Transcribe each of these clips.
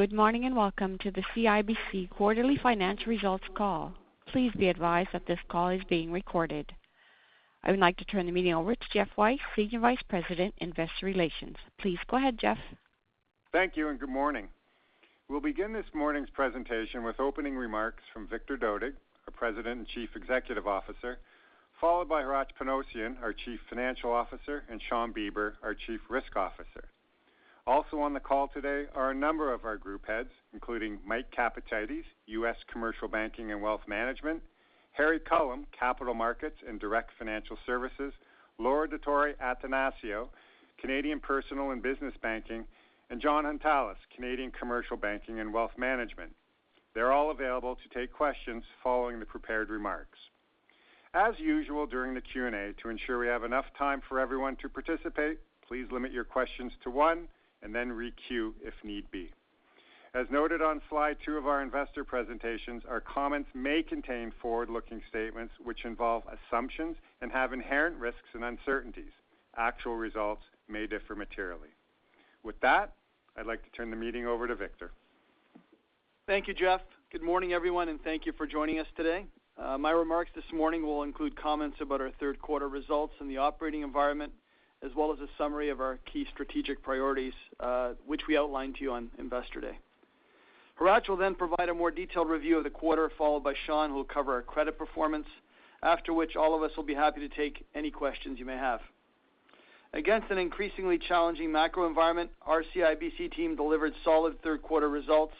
ood morning, and welcome to the CIBC Quarterly Financial Results Call. Please be advised that this call is being recorded. I would like to turn the meeting over to Geoff Weiss, Senior Vice President, Investor Relations. Please go ahead, Geoff. Thank you and good morning. We'll begin this morning's presentation with opening remarks from Victor Dodig, our President and Chief Executive Officer, followed by Hratch Panossian, our Chief Financial Officer, and Shawn Beber, our Chief Risk Officer. Also on the call today are a number of our group heads, including Michael Capatides, U.S. Commercial Banking and Wealth Management, Harry Culham, Capital Markets and Direct Financial Services, Laura Dottori-Attanasio, Canadian Personal and Business Banking, and Jon Hountalas, Canadian Commercial Banking and Wealth Management. They're all available to take questions following the prepared remarks. As usual, during the Q&A, to ensure we have enough time for everyone to participate, please limit your questions to one and then re-queue if need be. As noted on slide two of our investor presentations, our comments may contain forward-looking statements which involve assumptions and have inherent risks and uncertainties. Actual results may differ materially. With that, I'd like to turn the meeting over to Victor. Thank you, Geoff. Good morning, everyone, and thank you for joining us today. My remarks this morning will include comments about our third quarter results in the operating environment, as well as a summary of our key strategic priorities, which we outlined to you on Investor Day. Hratch will then provide a more detailed review of the quarter, followed by Shawn, who will cover our credit performance, after which all of us will be happy to take any questions you may have. Against an increasingly challenging macro environment, our CIBC team delivered solid third-quarter results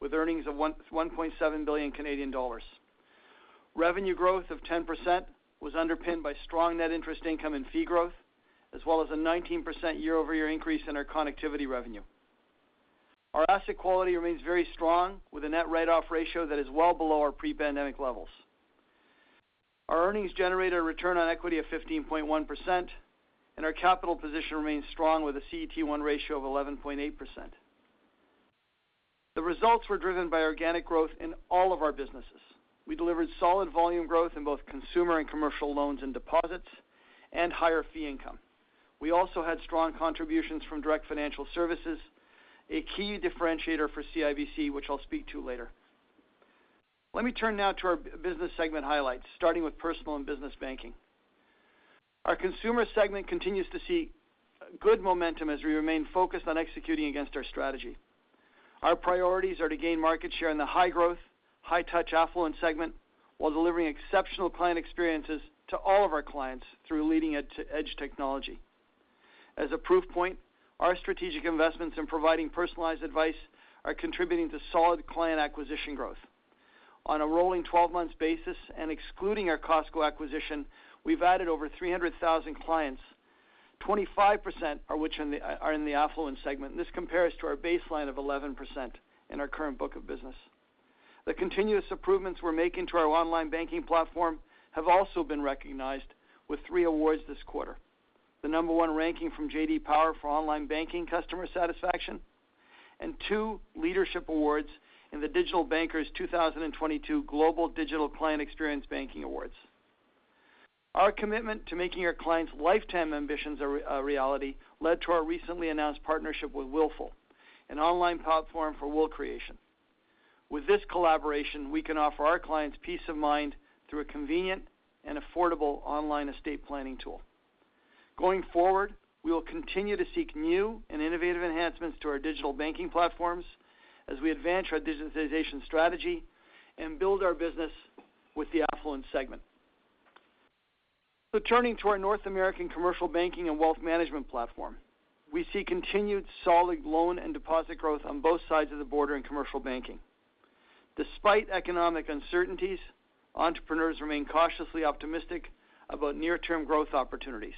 with earnings of 1.7 billion Canadian dollars. Revenue growth of 10% was underpinned by strong net interest income and fee growth, as well as a 19% year-over-year increase in our connectivity revenue. Our asset quality remains very strong with a net write-off ratio that is well below our pre-pandemic levels. Our earnings generated a return on equity of 15.1%, and our capital position remains strong with a CET1 ratio of 11.8%. The results were driven by organic growth in all of our businesses. We delivered solid volume growth in both consumer and commercial loans and deposits and higher fee income. We also had strong contributions from Direct Financial Services, a key differentiator for CIBC, which I'll speak to later. Let me turn now to our business segment highlights, starting with Personal and Business Banking. Our consumer segment continues to see good momentum as we remain focused on executing against our strategy. Our priorities are to gain market share in the high-growth, high-touch affluent segment while delivering exceptional client experiences to all of our clients through leading-edge technology. As a proof point, our strategic investments in providing personalized advice are contributing to solid client acquisition growth. On a rolling twelve months basis and excluding our Costco acquisition, we've added over 300,000 clients, 25% of which are in the affluent segment. This compares to our baseline of 11% in our current book of business. The continuous improvements we're making to our online banking platform have also been recognized with three awards this quarter. The number one ranking from J.D. Power for online banking customer satisfaction and two leadership awards in The Digital Banker 2022 Global Digital Client Experience Banking Awards. Our commitment to making our clients' lifetime ambitions a reality led to our recently announced partnership with Willful, an online platform for will creation. With this collaboration, we can offer our clients peace of mind through a convenient and affordable online estate planning tool. Going forward, we will continue to seek new and innovative enhancements to our digital banking platforms as we advance our digitalization strategy and build our business with the affluent segment. Turning to our North American commercial banking and wealth management platform, we see continued solid loan and deposit growth on both sides of the border in commercial banking. Despite economic uncertainties, entrepreneurs remain cautiously optimistic about near-term growth opportunities.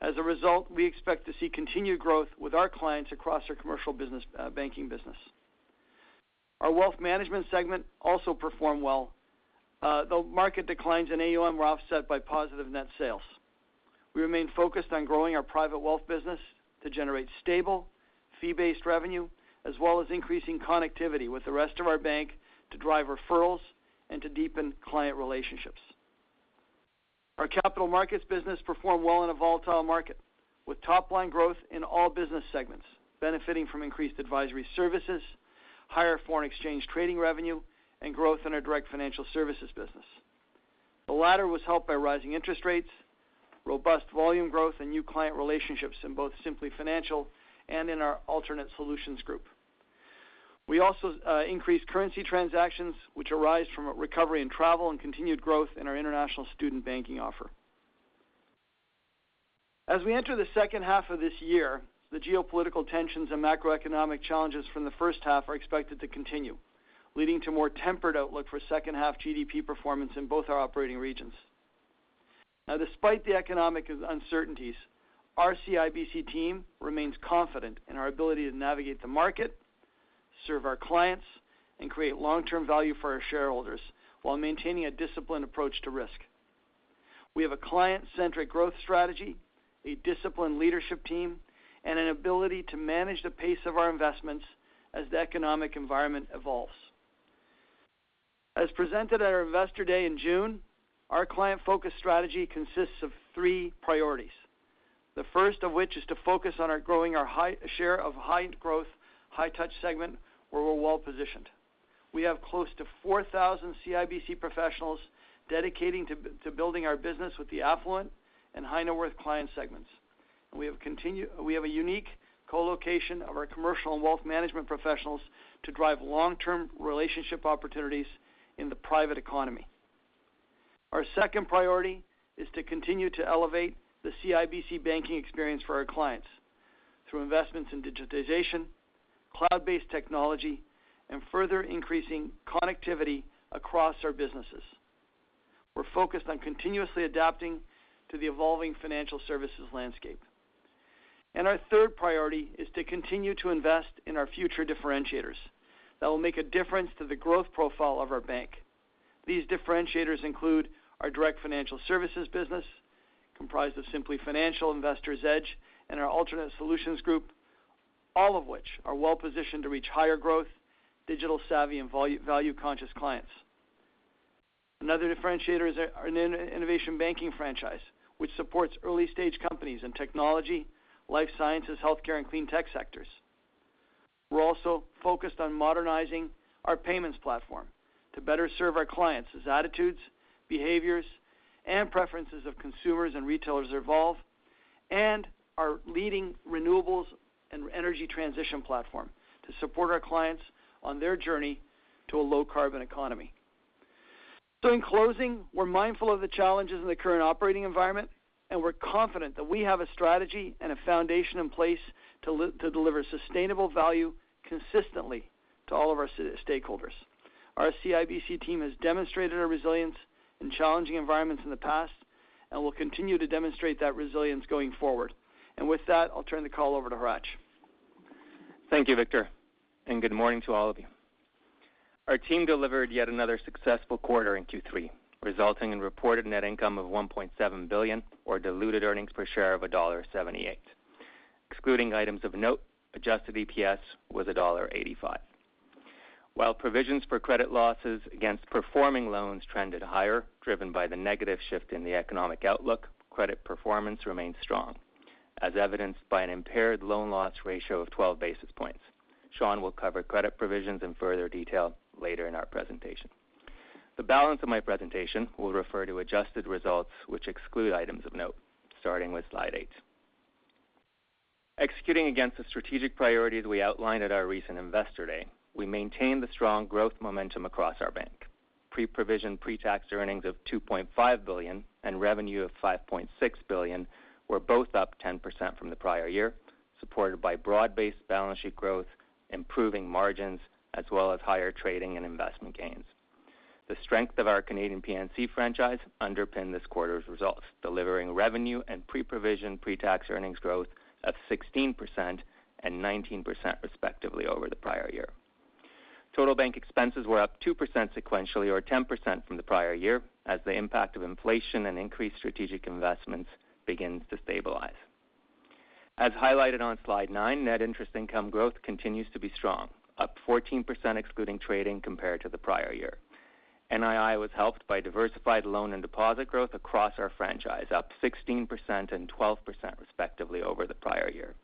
As a result, we expect to see continued growth with our clients across our commercial business, banking business. Our wealth management segment also performed well. The market declines in AUM were offset by positive net sales. We remain focused on growing our private wealth business to generate stable, fee-based revenue, as well as increasing connectivity with the rest of our bank to drive referrals and to deepen client relationships. Our Capital Markets business performed well in a volatile market with top-line growth in all business segments, benefiting from increased advisory services, higher foreign exchange trading revenue, and growth in our Direct Financial Services business. The latter was helped by rising interest rates, robust volume growth, and new client relationships in both Simplii Financial and in our alternate solutions group. We also increased currency transactions, which arise from a recovery in travel and continued growth in our international student banking offer. As we enter the second half of this year, the geopolitical tensions and macroeconomic challenges from the first half are expected to continue, leading to more tempered outlook for second half GDP performance in both our operating regions. Now, despite the economic uncertainties, our CIBC team remains confident in our ability to navigate the market, serve our clients, and create long-term value for our shareholders while maintaining a disciplined approach to risk. We have a client-centric growth strategy, a disciplined leadership team, and an ability to manage the pace of our investments as the economic environment evolves. As presented at our Investor Day in June, our client-focused strategy consists of three priorities. The first of which is to focus on our high share of high growth, high touch segment, where we're well-positioned. We have close to 4,000 CIBC professionals dedicating to building our business with the affluent and high net worth client segments. We have a unique co-location of our commercial and wealth management professionals to drive long-term relationship opportunities in the private economy. Our second priority is to continue to elevate the CIBC banking experience for our clients through investments in digitization, cloud-based technology, and further increasing connectivity across our businesses. We're focused on continuously adapting to the evolving financial services landscape. Our third priority is to continue to invest in our future differentiators that will make a difference to the growth profile of our bank. These differentiators include our direct financial services business, comprised of Simplii Financial, Investor's Edge, and our alternate solutions group, all of which are well-positioned to reach higher growth, digital savvy, and value-conscious clients. Another differentiator is our innovation banking franchise, which supports early-stage companies in technology, life sciences, healthcare, and clean tech sectors. We're also focused on modernizing our payments platform to better serve our clients as attitudes, behaviors, and preferences of consumers and retailers evolve, and our leading renewables and energy transition platform to support our clients on their journey to a low carbon economy. In closing, we're mindful of the challenges in the current operating environment, and we're confident that we have a strategy and a foundation in place to deliver sustainable value consistently to all of our stakeholders. Our CIBC team has demonstrated a resilience in challenging environments in the past and will continue to demonstrate that resilience going forward. With that, I'll turn the call over to Hratch. Thank you, Victor, and good morning to all of you. Our team delivered yet another successful quarter in Q3, resulting in reported net income of 1.7 billion, or diluted earnings per share of dollar 1.78. Excluding items of note, adjusted EPS was dollar 1.85. While provisions for credit losses against performing loans trended higher, driven by the negative shift in the economic outlook, credit performance remained strong, as evidenced by an impaired loan loss ratio of 12 basis points. Shawn will cover credit provisions in further detail later in our presentation. The balance of my presentation will refer to adjusted results, which exclude items of note, starting with slide 8. Executing against the strategic priorities we outlined at our recent Investor Day, we maintained the strong growth momentum across our bank. Pre-provision, pre-tax earnings of 2.5 billion and revenue of 5.6 billion were both up 10% from the prior year, supported by broad-based balance sheet growth, improving margins, as well as higher trading and investment gains. The strength of our Canadian P&C franchise underpinned this quarter's results, delivering revenue and pre-provision, pre-tax earnings growth of 16% and 19%, respectively, over the prior year. Total bank expenses were up 2% sequentially or 10% from the prior year as the impact of inflation and increased strategic investments begins to stabilize. As highlighted on Slide 9, net interest income growth continues to be strong, up 14% excluding trading compared to the prior year. NII was helped by diversified loan and deposit growth across our franchise, up 16% and 12%, respectively, over the prior year.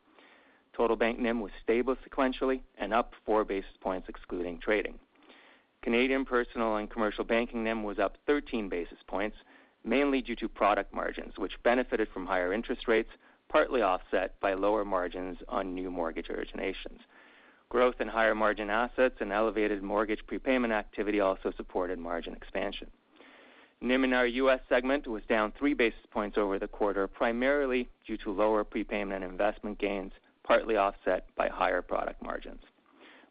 Total bank NIM was stable sequentially and up 4 basis points excluding trading. Canadian Personal and Commercial Banking NIM was up 13 basis points, mainly due to product margins, which benefited from higher interest rates, partly offset by lower margins on new mortgage originations. Growth in higher margin assets and elevated mortgage prepayment activity also supported margin expansion. NIM in our U.S. segment was down 3 basis points over the quarter, primarily due to lower prepayment investment gains, partly offset by higher product margins.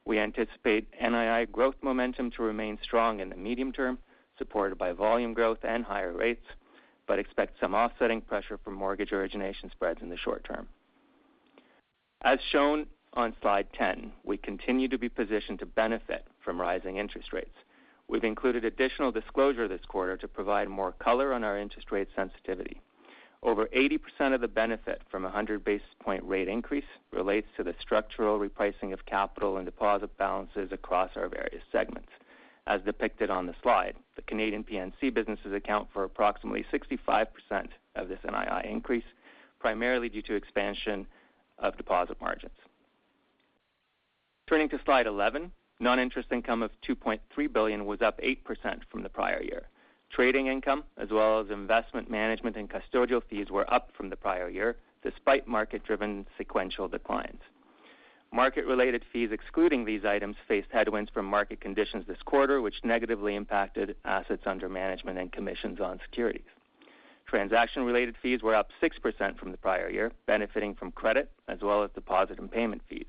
We anticipate NII growth momentum to remain strong in the medium term, supported by volume growth and higher rates, but expect some offsetting pressure from mortgage origination spreads in the short term. As shown on Slide 10, we continue to be positioned to benefit from rising interest rates. We've included additional disclosure this quarter to provide more color on our interest rate sensitivity. Over 80% of the benefit from a 100 basis point rate increase relates to the structural repricing of capital and deposit balances across our various segments. As depicted on the slide, the Canadian P&C businesses account for approximately 65% of this NII increase, primarily due to expansion of deposit margins. Turning to Slide 11, non-interest income of 2.3 billion was up 8% from the prior year. Trading income, as well as investment management and custodial fees, were up from the prior year despite market-driven sequential declines. Market-related fees excluding these items faced headwinds from market conditions this quarter, which negatively impacted assets under management and commissions on securities. Transaction-related fees were up 6% from the prior year, benefiting from credit as well as deposit and payment fees.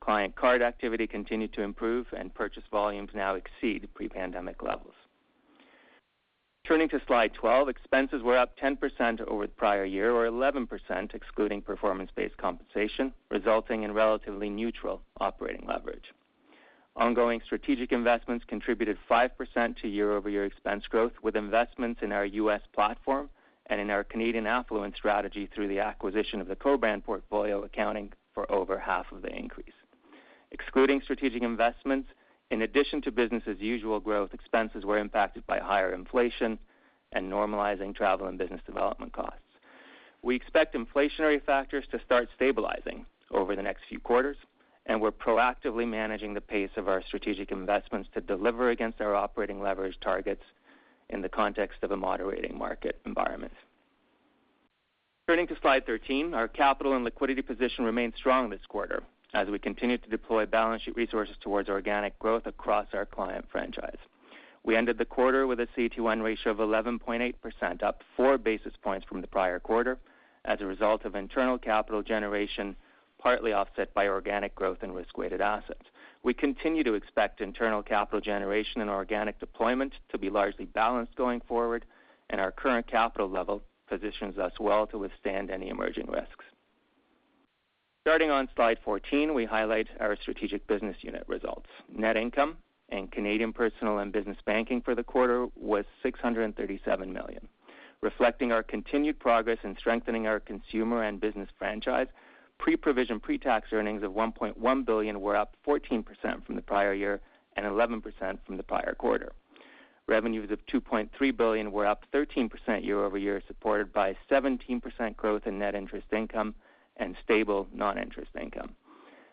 Client card activity continued to improve and purchase volumes now exceed pre-pandemic levels. Turning to Slide 12, expenses were up 10% over the prior year or 11% excluding performance-based compensation, resulting in relatively neutral operating leverage. Ongoing strategic investments contributed 5% to year-over-year expense growth, with investments in our U.S. platform and in our Canadian affluent strategy through the acquisition of the co-brand portfolio accounting for over half of the increase. Excluding strategic investments, in addition to business as usual growth, expenses were impacted by higher inflation and normalizing travel and business development costs. We expect inflationary factors to start stabilizing over the next few quarters, and we're proactively managing the pace of our strategic investments to deliver against our operating leverage targets in the context of a moderating market environment. Turning to Slide 13. Our capital and liquidity position remained strong this quarter as we continued to deploy balance sheet resources towards organic growth across our client franchise. We ended the quarter with a CET1 ratio of 11.8%, up 4 basis points from the prior quarter as a result of internal capital generation, partly offset by organic growth in risk-weighted assets. We continue to expect internal capital generation and organic deployment to be largely balanced going forward, and our current capital level positions us well to withstand any emerging risks. Starting on Slide 14, we highlight our strategic business unit results. Net income in Canadian Personal and Business Banking for the quarter was 637 million, reflecting our continued progress in strengthening our consumer and business franchise. Pre-provision, pre-tax earnings of 1.1 billion were up 14% from the prior year and 11% from the prior quarter. Revenues of 2.3 billion were up 13% year-over-year, supported by 17% growth in net interest income and stable non-interest income.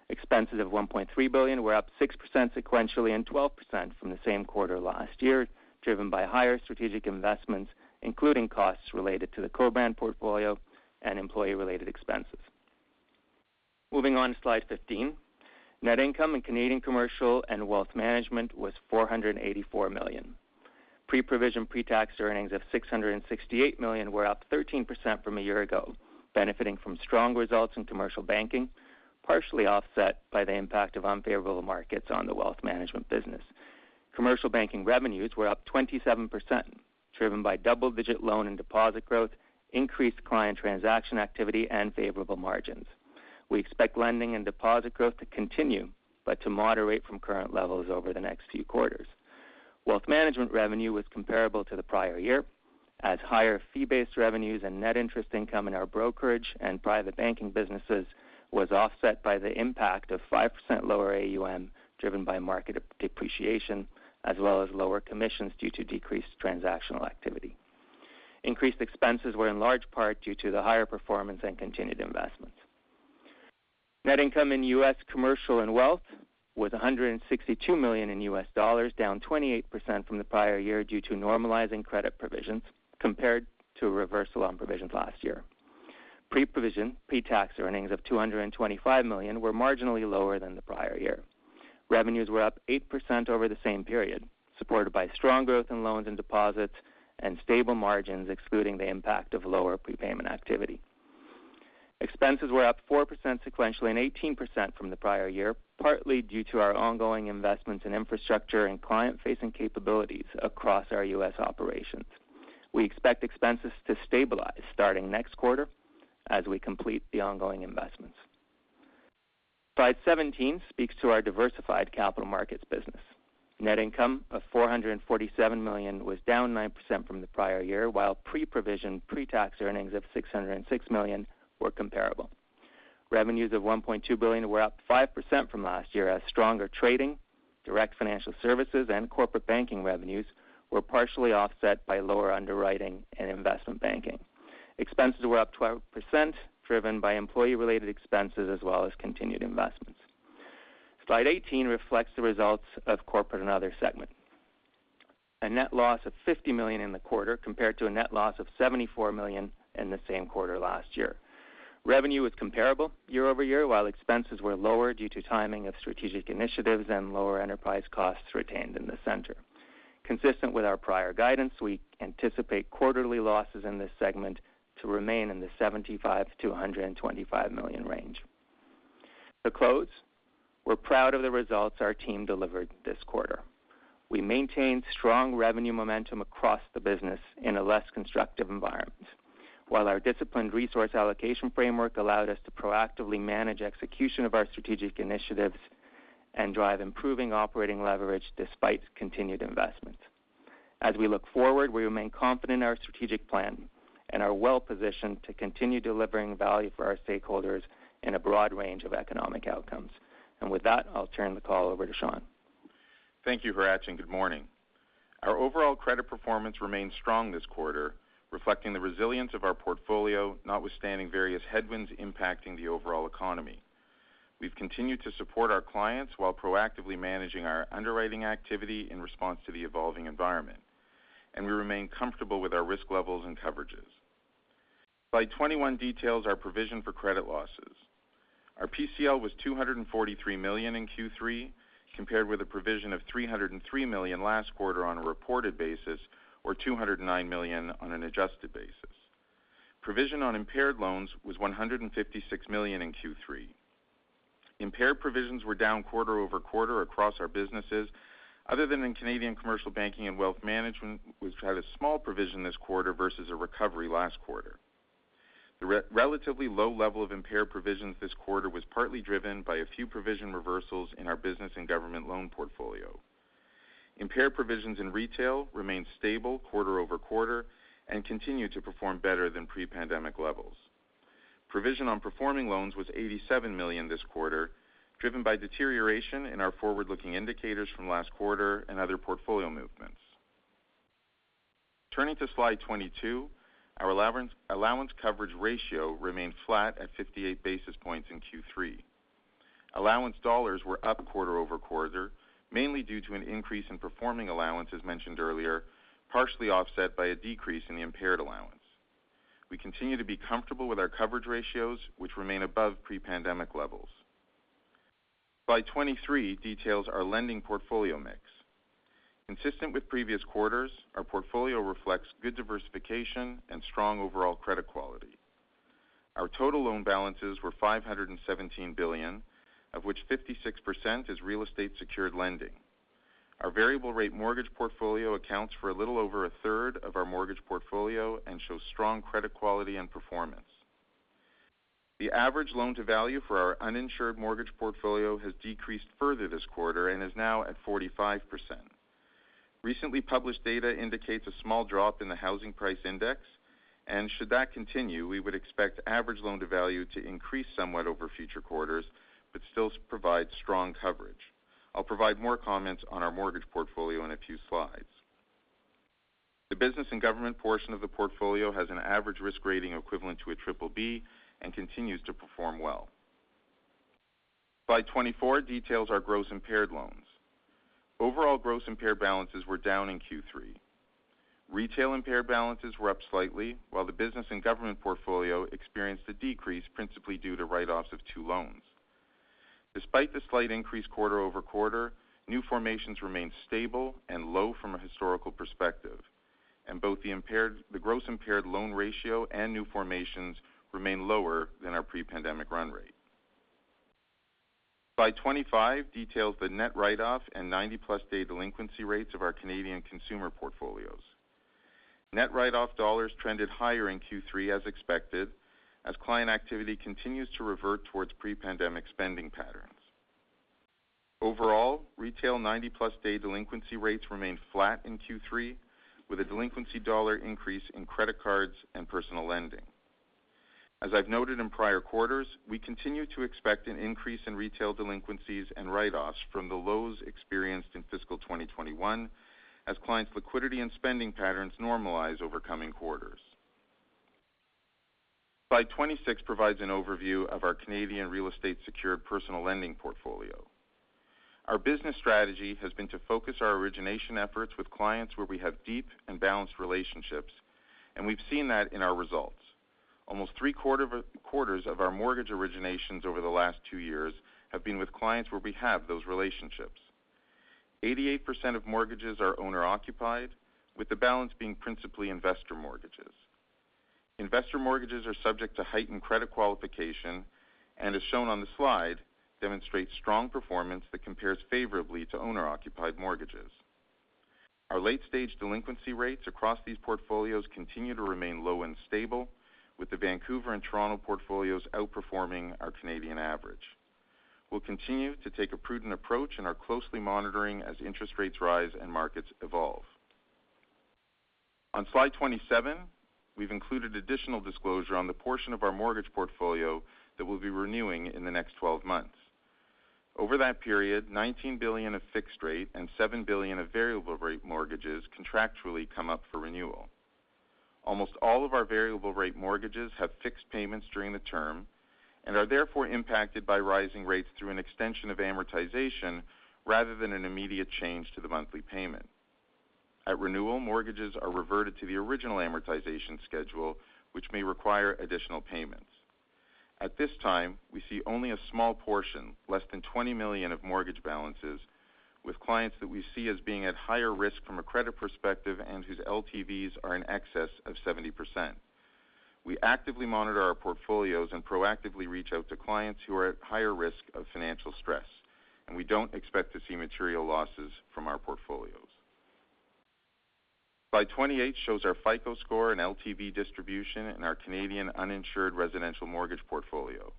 Expenses of 1.3 billion were up 6% sequentially and 12% from the same quarter last year, driven by higher strategic investments, including costs related to the co-brand portfolio and employee related expenses. Moving on to Slide 15. Net income in Canadian Commercial Banking and Wealth Management was 484 million. Pre-provision, pre-tax earnings of 668 million were up 13% from a year ago, benefiting from strong results in commercial banking, partially offset by the impact of unfavorable markets on the wealth management business. Commercial banking revenues were up 27%, driven by double-digit loan and deposit growth, increased client transaction activity, and favorable margins. We expect lending and deposit growth to continue, but to moderate from current levels over the next few quarters. Wealth management revenue was comparable to the prior year as higher fee-based revenues and net interest income in our brokerage and private banking businesses was offset by the impact of 5% lower AUM driven by market depreciation as well as lower commissions due to decreased transactional activity. Increased expenses were in large part due to the higher performance and continued investments. Net income in U.S. Commercial and Wealth was $162 million, down 28% from the prior year due to normalizing credit provisions compared to a reversal on provisions last year. Pre-provision, pre-tax earnings of $225 million were marginally lower than the prior year. Revenues were up 8% over the same period, supported by strong growth in loans and deposits and stable margins excluding the impact of lower prepayment activity. Expenses were up 4% sequentially and 18% from the prior year, partly due to our ongoing investments in infrastructure and client-facing capabilities across our U.S. operations. We expect expenses to stabilize starting next quarter as we complete the ongoing investments. Slide 17 speaks to our diversified Capital Markets business. Net income of 447 million was down 9% from the prior year, while pre-provision, pre-tax earnings of 606 million were comparable. Revenues of 1.2 billion were up 5% from last year as stronger trading, Direct Financial Services and corporate banking revenues were partially offset by lower underwriting and investment banking. Expenses were up 12%, driven by employee related expenses as well as continued investments. Slide 18 reflects the results of Corporate and Other segment. A net loss of 50 million in the quarter compared to a net loss of 74 million in the same quarter last year. Revenue was comparable year-over-year, while expenses were lower due to timing of strategic initiatives and lower enterprise costs retained in the center. Consistent with our prior guidance, we anticipate quarterly losses in this segment to remain in the 75 million-125 million range. To close, we're proud of the results our team delivered this quarter. We maintained strong revenue momentum across the business in a less constructive environment, while our disciplined resource allocation framework allowed us to proactively manage execution of our strategic initiatives and drive improving operating leverage despite continued investments. As we look forward, we remain confident in our strategic plan and are well positioned to continue delivering value for our stakeholders in a broad range of economic outcomes. With that, I'll turn the call over to Shawn. Thank you, Hratch, and Good morning. Our overall credit performance remained strong this quarter, reflecting the resilience of our portfolio notwithstanding various headwinds impacting the overall economy. We've continued to support our clients while proactively managing our underwriting activity in response to the evolving environment. We remain comfortable with our risk levels and coverages. Slide 21 details our provision for credit losses. Our PCL was 243 million in Q3, compared with a provision of 303 million last quarter on a reported basis or 209 million on an adjusted basis. Provision on impaired loans was 156 million in Q3. Impaired provisions were down quarter-over-quarter across our businesses other than in Canadian Commercial Banking and Wealth Management, which had a small provision this quarter versus a recovery last quarter. The relatively low level of impaired provisions this quarter was partly driven by a few provision reversals in our business and government loan portfolio. Impaired provisions in retail remained stable quarter-over-quarter and continued to perform better than pre-pandemic levels. Provision on performing loans was 87 million this quarter, driven by deterioration in our forward-looking indicators from last quarter and other portfolio movements. Turning to slide 22, our allowance coverage ratio remained flat at 58 basis points in Q3. Allowance dollars were up quarter-over-quarter, mainly due to an increase in performing allowance as mentioned earlier, partially offset by a decrease in the impaired allowance. We continue to be comfortable with our coverage ratios, which remain above pre-pandemic levels. Slide 23 details our lending portfolio mix. Consistent with previous quarters, our portfolio reflects good diversification and strong overall credit quality. Our total loan balances were 517 billion, of which 56% is real estate secured lending. Our variable rate mortgage portfolio accounts for a little over a third of our mortgage portfolio and shows strong credit quality and performance. The average loan to value for our uninsured mortgage portfolio has decreased further this quarter and is now at 45%. Recently published data indicates a small drop in the housing price index, and should that continue, we would expect average loan to value to increase somewhat over future quarters, but still provide strong coverage. I'll provide more comments on our mortgage portfolio in a few slides. The business and government portion of the portfolio has an average risk rating equivalent to a triple B and continues to perform well. Slide 24 details our gross impaired loans. Overall gross impaired balances were down in Q3. Retail impaired balances were up slightly, while the business and government portfolio experienced a decrease principally due to write-offs of two loans. Despite the slight increase quarter-over-quarter, new formations remained stable and low from a historical perspective, and both the gross impaired loan ratio and new formations remain lower than our pre-pandemic run rate. Slide 25 details the net write-off and 90-plus day delinquency rates of our Canadian consumer portfolios. Net write-off dollars trended higher in Q3 as expected, as client activity continues to revert towards pre-pandemic spending patterns. Overall, retail 90+ day delinquency rates remained flat in Q3, with a delinquency dollar increase in credit cards and personal lending. As I've noted in prior quarters, we continue to expect an increase in retail delinquencies and write-offs from the lows experienced in fiscal 2021 as clients' liquidity and spending patterns normalize over coming quarters. Slide 26 provides an overview of our Canadian real estate secured personal lending portfolio. Our business strategy has been to focus our origination efforts with clients where we have deep and balanced relationships, and we've seen that in our results. Almost three quarters of our mortgage originations over the last two years have been with clients where we have those relationships. 88% of mortgages are owner-occupied, with the balance being principally investor mortgages. Investor mortgages are subject to heightened credit qualification and as shown on the slide, demonstrate strong performance that compares favorably to owner-occupied mortgages. Our late-stage delinquency rates across these portfolios continue to remain low and stable, with the Vancouver and Toronto portfolios outperforming our Canadian average. We'll continue to take a prudent approach and are closely monitoring as interest rates rise and markets evolve. On slide 27, we've included additional disclosure on the portion of our mortgage portfolio that we'll be renewing in the next 12 months. Over that period, CAD 19 billion of fixed rate and CAD 7 billion of variable rate mortgages contractually come up for renewal. Almost all of our variable rate mortgages have fixed payments during the term and are therefore impacted by rising rates through an extension of amortization rather than an immediate change to the monthly payment. At renewal, mortgages are reverted to the original amortization schedule, which may require additional payments. At this time, we see only a small portion, less than 20 million of mortgage balances with clients that we see as being at higher risk from a credit perspective and whose LTVs are in excess of 70%. We actively monitor our portfolios and proactively reach out to clients who are at higher risk of financial stress, and we don't expect to see material losses from our portfolios. Slide 28 shows our FICO score and LTV distribution in our Canadian uninsured residential mortgage portfolio.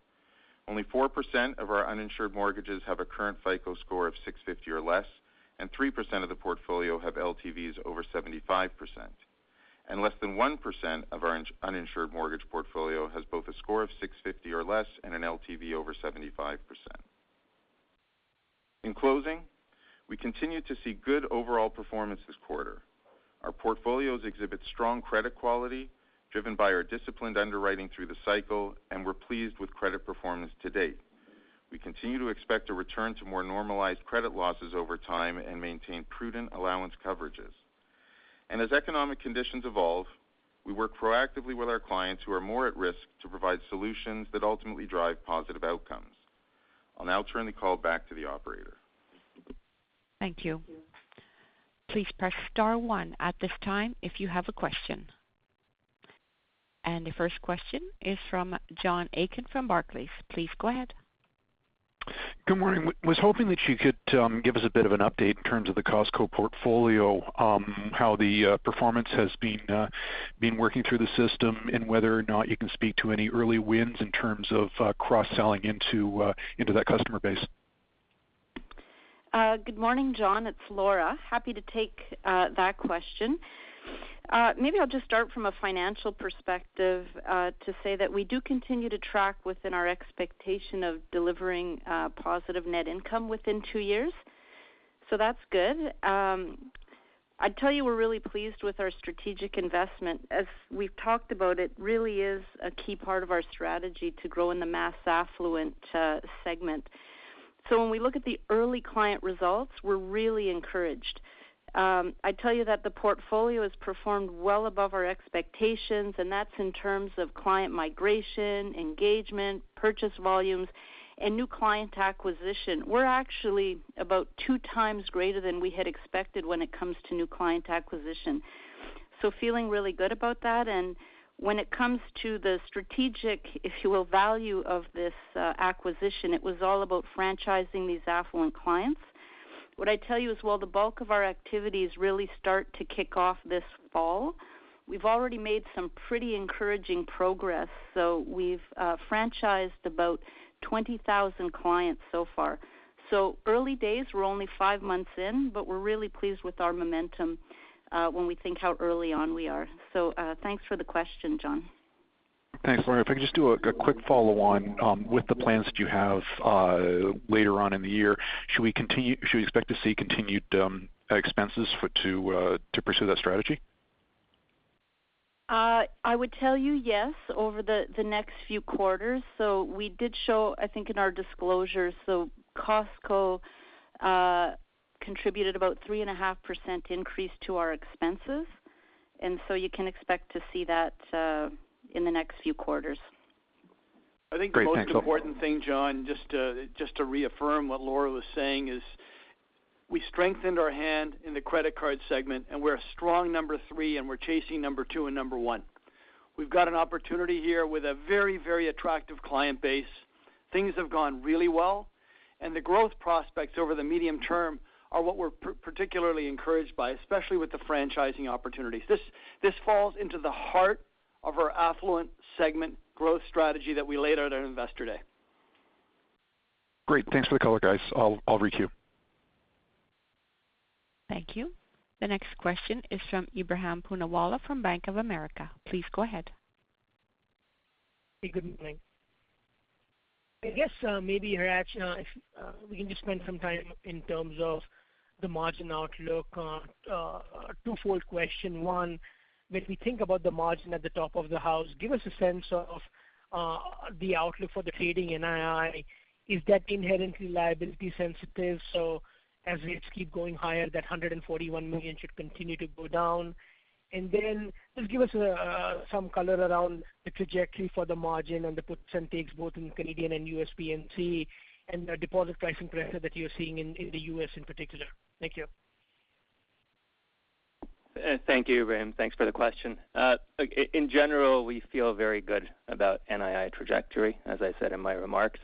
Only 4% of our uninsured mortgages have a current FICO score of 650 or less, and 3% of the portfolio have LTVs over 75%. Less than 1% of our uninsured mortgage portfolio has both a score of 650 or less and an LTV over 75%. In closing, we continue to see good overall performance this quarter. Our portfolios exhibit strong credit quality driven by our disciplined underwriting through the cycle, and we're pleased with credit performance to date. We continue to expect a return to more normalized credit losses over time and maintain prudent allowance coverages. As economic conditions evolve, we work proactively with our clients who are more at risk to provide solutions that ultimately drive positive outcomes. I'll now turn the call back to the operator. Thank you. Please press star one at this time if you have a question. The first question is from John Aiken from Barclays. Please go ahead. Good morning. Was hoping that you could give us a bit of an update in terms of the Costco portfolio, how the performance has been working through the system, and whether or not you can speak to any early wins in terms of cross-selling into that customer base? Good morning, John. It's Laura. Happy to take that question. Maybe I'll just start from a financial perspective to say that we do continue to track within our expectation of delivering positive net income within two years. That's good. I'd tell you we're really pleased with our strategic investment. As we've talked about, it really is a key part of our strategy to grow in the mass affluent segment. When we look at the early client results, we're really encouraged. I'd tell you that the portfolio has performed well above our expectations, and that's in terms of client migration, engagement, purchase volumes, and new client acquisition. We're actually about two times greater than we had expected when it comes to new client acquisition. Feeling really good about that. When it comes to the strategic, if you will, value of this, acquisition, it was all about franchising these affluent clients. What I'd tell you is while the bulk of our activities really start to kick off this fall, we've already made some pretty encouraging progress. We've franchised about 20,000 clients so far. Early days, we're only five months in, but we're really pleased with our momentum, when we think how early on we are. Thanks for the question, John. Thanks, Laura. If I could just do a quick follow on with the plans that you have later on in the year, should we expect to see continued expenses to pursue that strategy? I would tell you yes, over the next few quarters. We did show, I think in our disclosure, so Costco contributed about 3.5% increase to our expenses, and so you can expect to see that in the next few quarters. Great, thanks. I think the most important thing, John, just to reaffirm what Laura was saying is we strengthened our hand in the credit card segment, and we're a strong number three, and we're chasing number two and number one. We've got an opportunity here with a very, very attractive client base. Things have gone really well, and the growth prospects over the medium term are what we're particularly encouraged by, especially with the franchising opportunities. This falls into the heart of our affluent segment growth strategy that we laid out at Investor Day. Great. Thanks for the color, guys. I'll requeue. Thank you. The next question is from Ebrahim Poonawala from Bank of America. Please go ahead. Hey, good morning. I guess, maybe Hratch, if we can just spend some time in terms of the margin outlook. A two fold question. One, when we think about the margin at the top of the house, give us a sense of the outlook for the trading NII. Is that inherently liability sensitive, so as rates keep going higher, that 141 million should continue to go down? And then just give us some color around the trajectory for the margin and the percentage both in Canadian and U.S. P&C and the deposit pricing pressure that you're seeing in the U.S. in particular. Thank you. Thank you, Ebrahim. Thanks for the question. In general, we feel very good about NII trajectory, as I said in my remarks,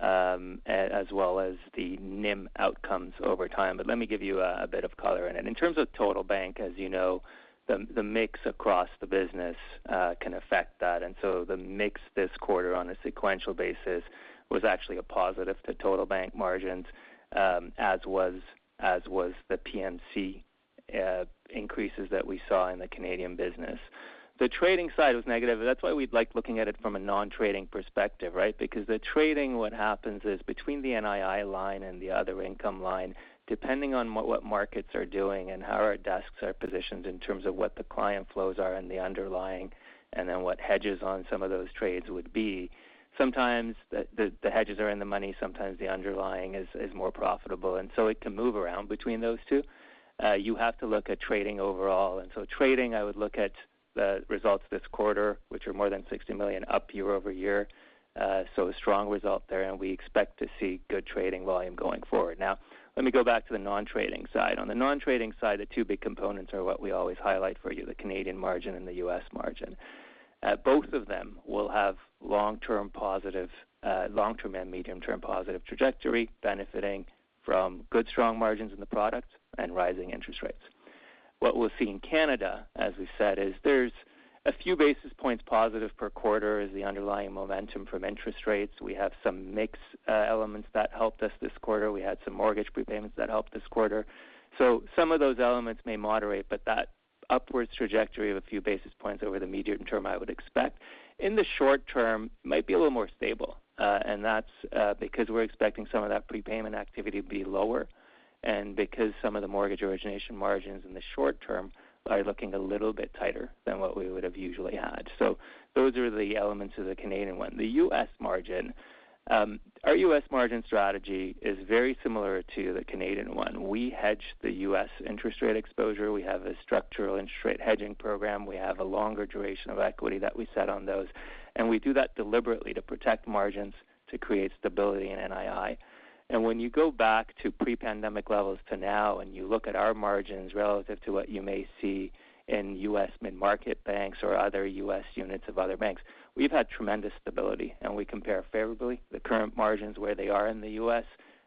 as well as the NIM outcomes over time. Let me give you a bit of color. In terms of total bank, as you know, the mix across the business can affect that. The mix this quarter on a sequential basis was actually a positive to total bank margins, as was the P&C increases that we saw in the Canadian business. The trading side was negative, and that's why we like looking at it from a non-trading perspective, right? Because the trading, what happens is between the NII line and the other income line, depending on what markets are doing and how our desks are positioned in terms of what the client flows are and the underlying, and then what hedges on some of those trades would be, sometimes the hedges are in the money, sometimes the underlying is more profitable, and so it can move around between those two. You have to look at trading overall. Trading, I would look at the results this quarter, which are more than 60 million up year-over-year, so a strong result there, and we expect to see good trading volume going forward. Now, let me go back to the non-trading side. On the non-trading side, the two big components are what we always highlight for you, the Canadian margin and the U.S. margin. Both of them will have long-term positive, long-term and medium-term positive trajectory, benefiting from good, strong margins in the product and rising interest rates. What we'll see in Canada, as we said, is there's a few basis points positive per quarter as the underlying momentum from interest rates. We have some mix elements that helped us this quarter. We had some mortgage prepayments that helped this quarter. Some of those elements may moderate, but that upwards trajectory of a few basis points over the medium term, I would expect. In the short term, might be a little more stable, and that's because we're expecting some of that prepayment activity to be lower and because some of the mortgage origination margins in the short term are looking a little bit tighter than what we would have usually had. Those are the elements of the Canadian one. The U.S. margin, our U.S. margin strategy is very similar to the Canadian one. We hedge the U.S. interest rate exposure. We have a structural interest rate hedging program. We have a longer duration of equity that we set on those. We do that deliberately to protect margins to create stability in NII. When you go back to pre-pandemic levels to now, and you look at our margins relative to what you may see in U.S. mid-market banks or other U.S. units of other banks, we've had tremendous stability, and we compare favorably. The current margins where they are in the U.S.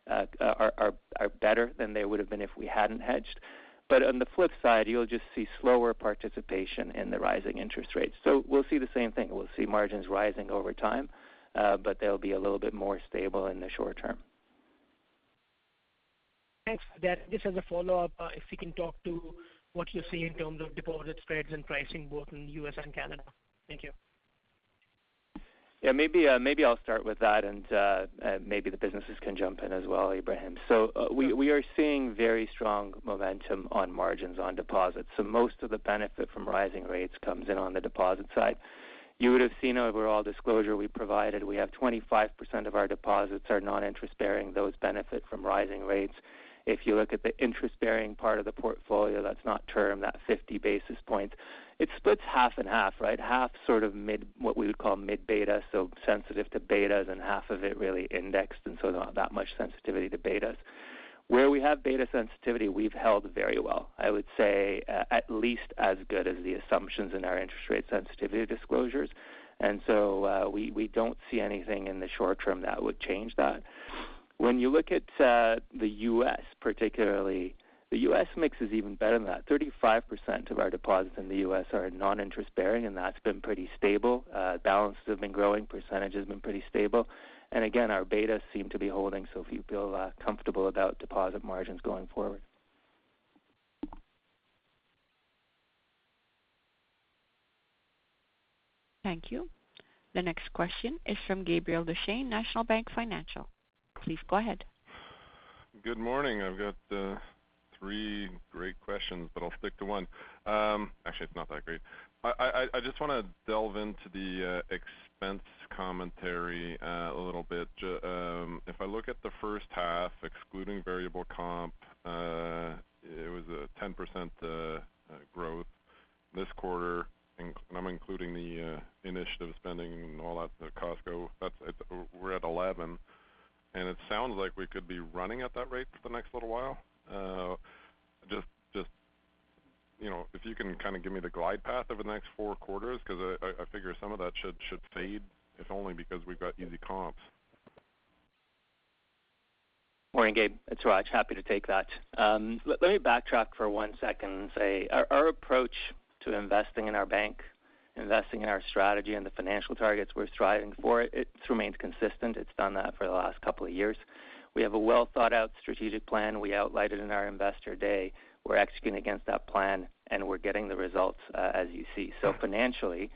are better than they would have been if we hadn't hedged. On the flip side, you'll just see slower participation in the rising interest rates. We'll see the same thing. We'll see margins rising over time, but they'll be a little bit more stable in the short term. Thanks for that. Just as a follow-up, if you can talk to what you see in terms of deposit spreads and pricing, both in the U.S. and Canada. Thank you. Yeah, maybe I'll start with that, and maybe the businesses can jump in as well, Ebrahim. We are seeing very strong momentum on margins on deposits. Most of the benefit from rising rates comes in on the deposit side. You would have seen our overall disclosure we provided. We have 25% of our deposits are non-interest-bearing, those benefit from rising rates. If you look at the interest-bearing part of the portfolio that's not term, that 50 basis points, it splits half and half, right? Half sort of mid, what we would call mid-beta, so sensitive to betas and half of it really indexed, and so not that much sensitivity to betas. Where we have beta sensitivity, we've held very well. I would say at least as good as the assumptions in our interest rate sensitivity disclosures. We don't see anything in the short term that would change that. When you look at the U.S. particularly, the U.S. mix is even better than that. 35% of our deposits in the U.S. are non-interest-bearing, and that's been pretty stable. Balances have been growing, percentage has been pretty stable. Our betas seem to be holding, so we feel comfortable about deposit margins going forward. Thank you. The next question is from Gabriel Dechaine, National Bank Financial. Please go ahead. Good morning. I've got three great questions, but I'll stick to one. Actually, it's not that great. I just want to delve into the expense commentary a little bit. If I look at the first half, excluding variable comp, it was 10% growth this quarter, and I'm including the initiative spending and all that, the Costco. We're at 11%. It sounds like we could be running at that rate for the next little while. Just, you know, if you can kind of give me the glide path of the next four quarters because I figure some of that should fade, if only because we've got easy comps. Morning, Gabe. It's Hratch. Happy to take that. Let me backtrack for one second and say our approach to investing in our bank, investing in our strategy and the financial targets we're striving for, it remains consistent. It's done that for the last couple of years. We have a well-thought-out strategic plan. We outlined it in our Investor Day. We're executing against that plan, and we're getting the results as you see. Financially,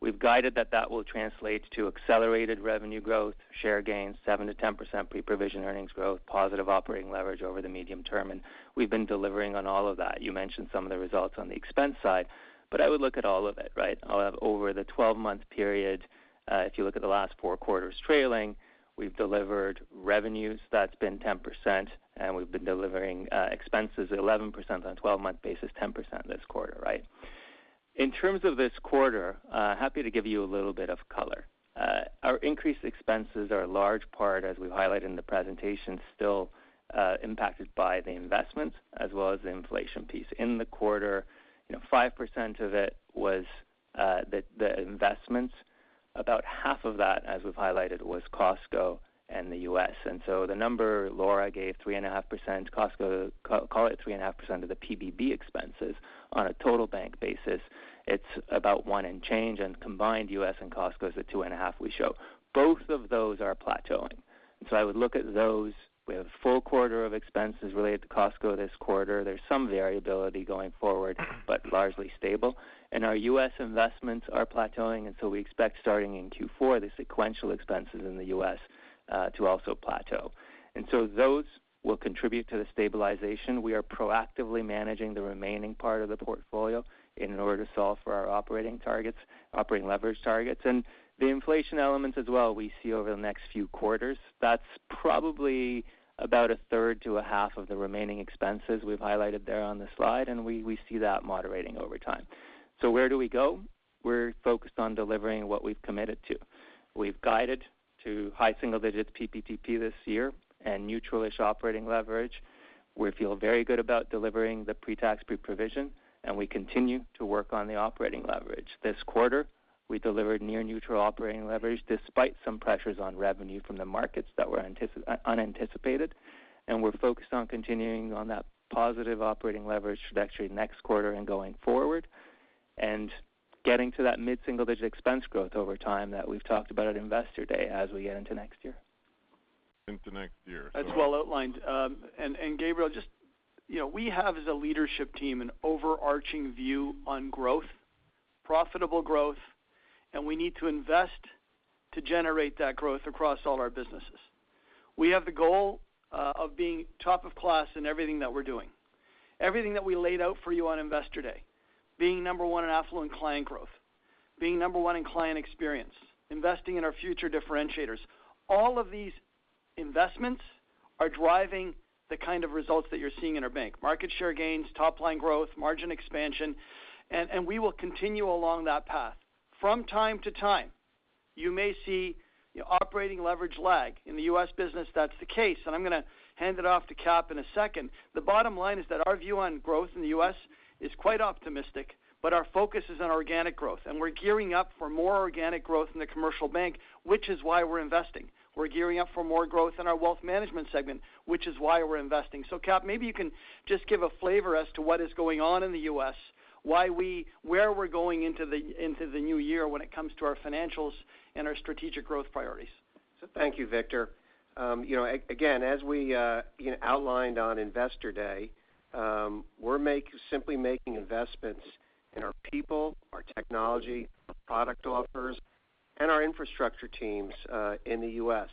we've guided that will translate to accelerated revenue growth, share gains, 7%-10% pre-provision earnings growth, positive operating leverage over the medium term, and we've been delivering on all of that. You mentioned some of the results on the expense side, but I would look at all of it, right? Over the 12-month period, if you look at the last 4 quarters trailing, we've delivered revenues, that's been 10%, and we've been delivering expenses 11% on a 12-month basis, 10% this quarter, right? In terms of this quarter, happy to give you a little bit of color. Our increased expenses are a large part, as we've highlighted in the presentation, still impacted by the investments as well as the inflation piece. In the quarter, you know, 5% of it was the investments. About half of that, as we've highlighted, was Costco and the U.S. The number Laura gave, 3.5%, Costco, call it 3.5% of the PBB expenses. On a total bank basis, it's about 1% and change, and combined U.S. and Costco is the 2.5% we show. Both of those are plateauing. I would look at those. We have a full quarter of expenses related to Costco this quarter. There's some variability going forward, but largely stable. Our U.S. investments are plateauing, and so we expect starting in Q4, the sequential expenses in the U.S. to also plateau. Those will contribute to the stabilization. We are proactively managing the remaining part of the portfolio in order to solve for our operating targets, operating leverage targets. The inflation elements as well, we see over the next few quarters, that's probably about a third to a half of the remaining expenses we've highlighted there on the slide, and we see that moderating over time. Where do we go? We're focused on delivering what we've committed to. We've guided to high single digits PP&P this year and neutral-ish operating leverage. We feel very good about delivering the pre-tax, pre-provision, and we continue to work on the operating leverage. This quarter, we delivered near neutral operating leverage despite some pressures on revenue from the markets that were unanticipated. We're focused on continuing on that positive operating leverage trajectory next quarter and going forward and getting to that mid-single-digit expense growth over time that we've talked about at Investor Day as we get into next year. Into next year. That's well outlined. And Gabriel, just, you know, we have as a leadership team an overarching view on growth, profitable growth, and we need to invest to generate that growth across all our businesses. We have the goal of being top of class in everything that we're doing. Everything that we laid out for you on Investor Day, being number one in affluent client growth, being number one in client experience, investing in our future differentiators, all of these investments are driving the kind of results that you're seeing in our bank. Market share gains, top line growth, margin expansion, and we will continue along that path. From time to time, you may see operating leverage lag. In the U.S. business, that's the case, and I'm gonna hand it off to Cap in a second. The bottom line is that our view on growth in the U.S. is quite optimistic, but our focus is on organic growth, and we're gearing up for more organic growth in the commercial bank, which is why we're investing. We're gearing up for more growth in our wealth management segment, which is why we're investing. Cap, maybe you can just give a flavor as to what is going on in the U.S., where we're going into the new year when it comes to our financials and our strategic growth priorities. Thank you, Victor. You know, again, as we, you know, outlined on Investor Day, we're simply making investments in our people, our technology, our product offers, and our infrastructure teams in the U.S.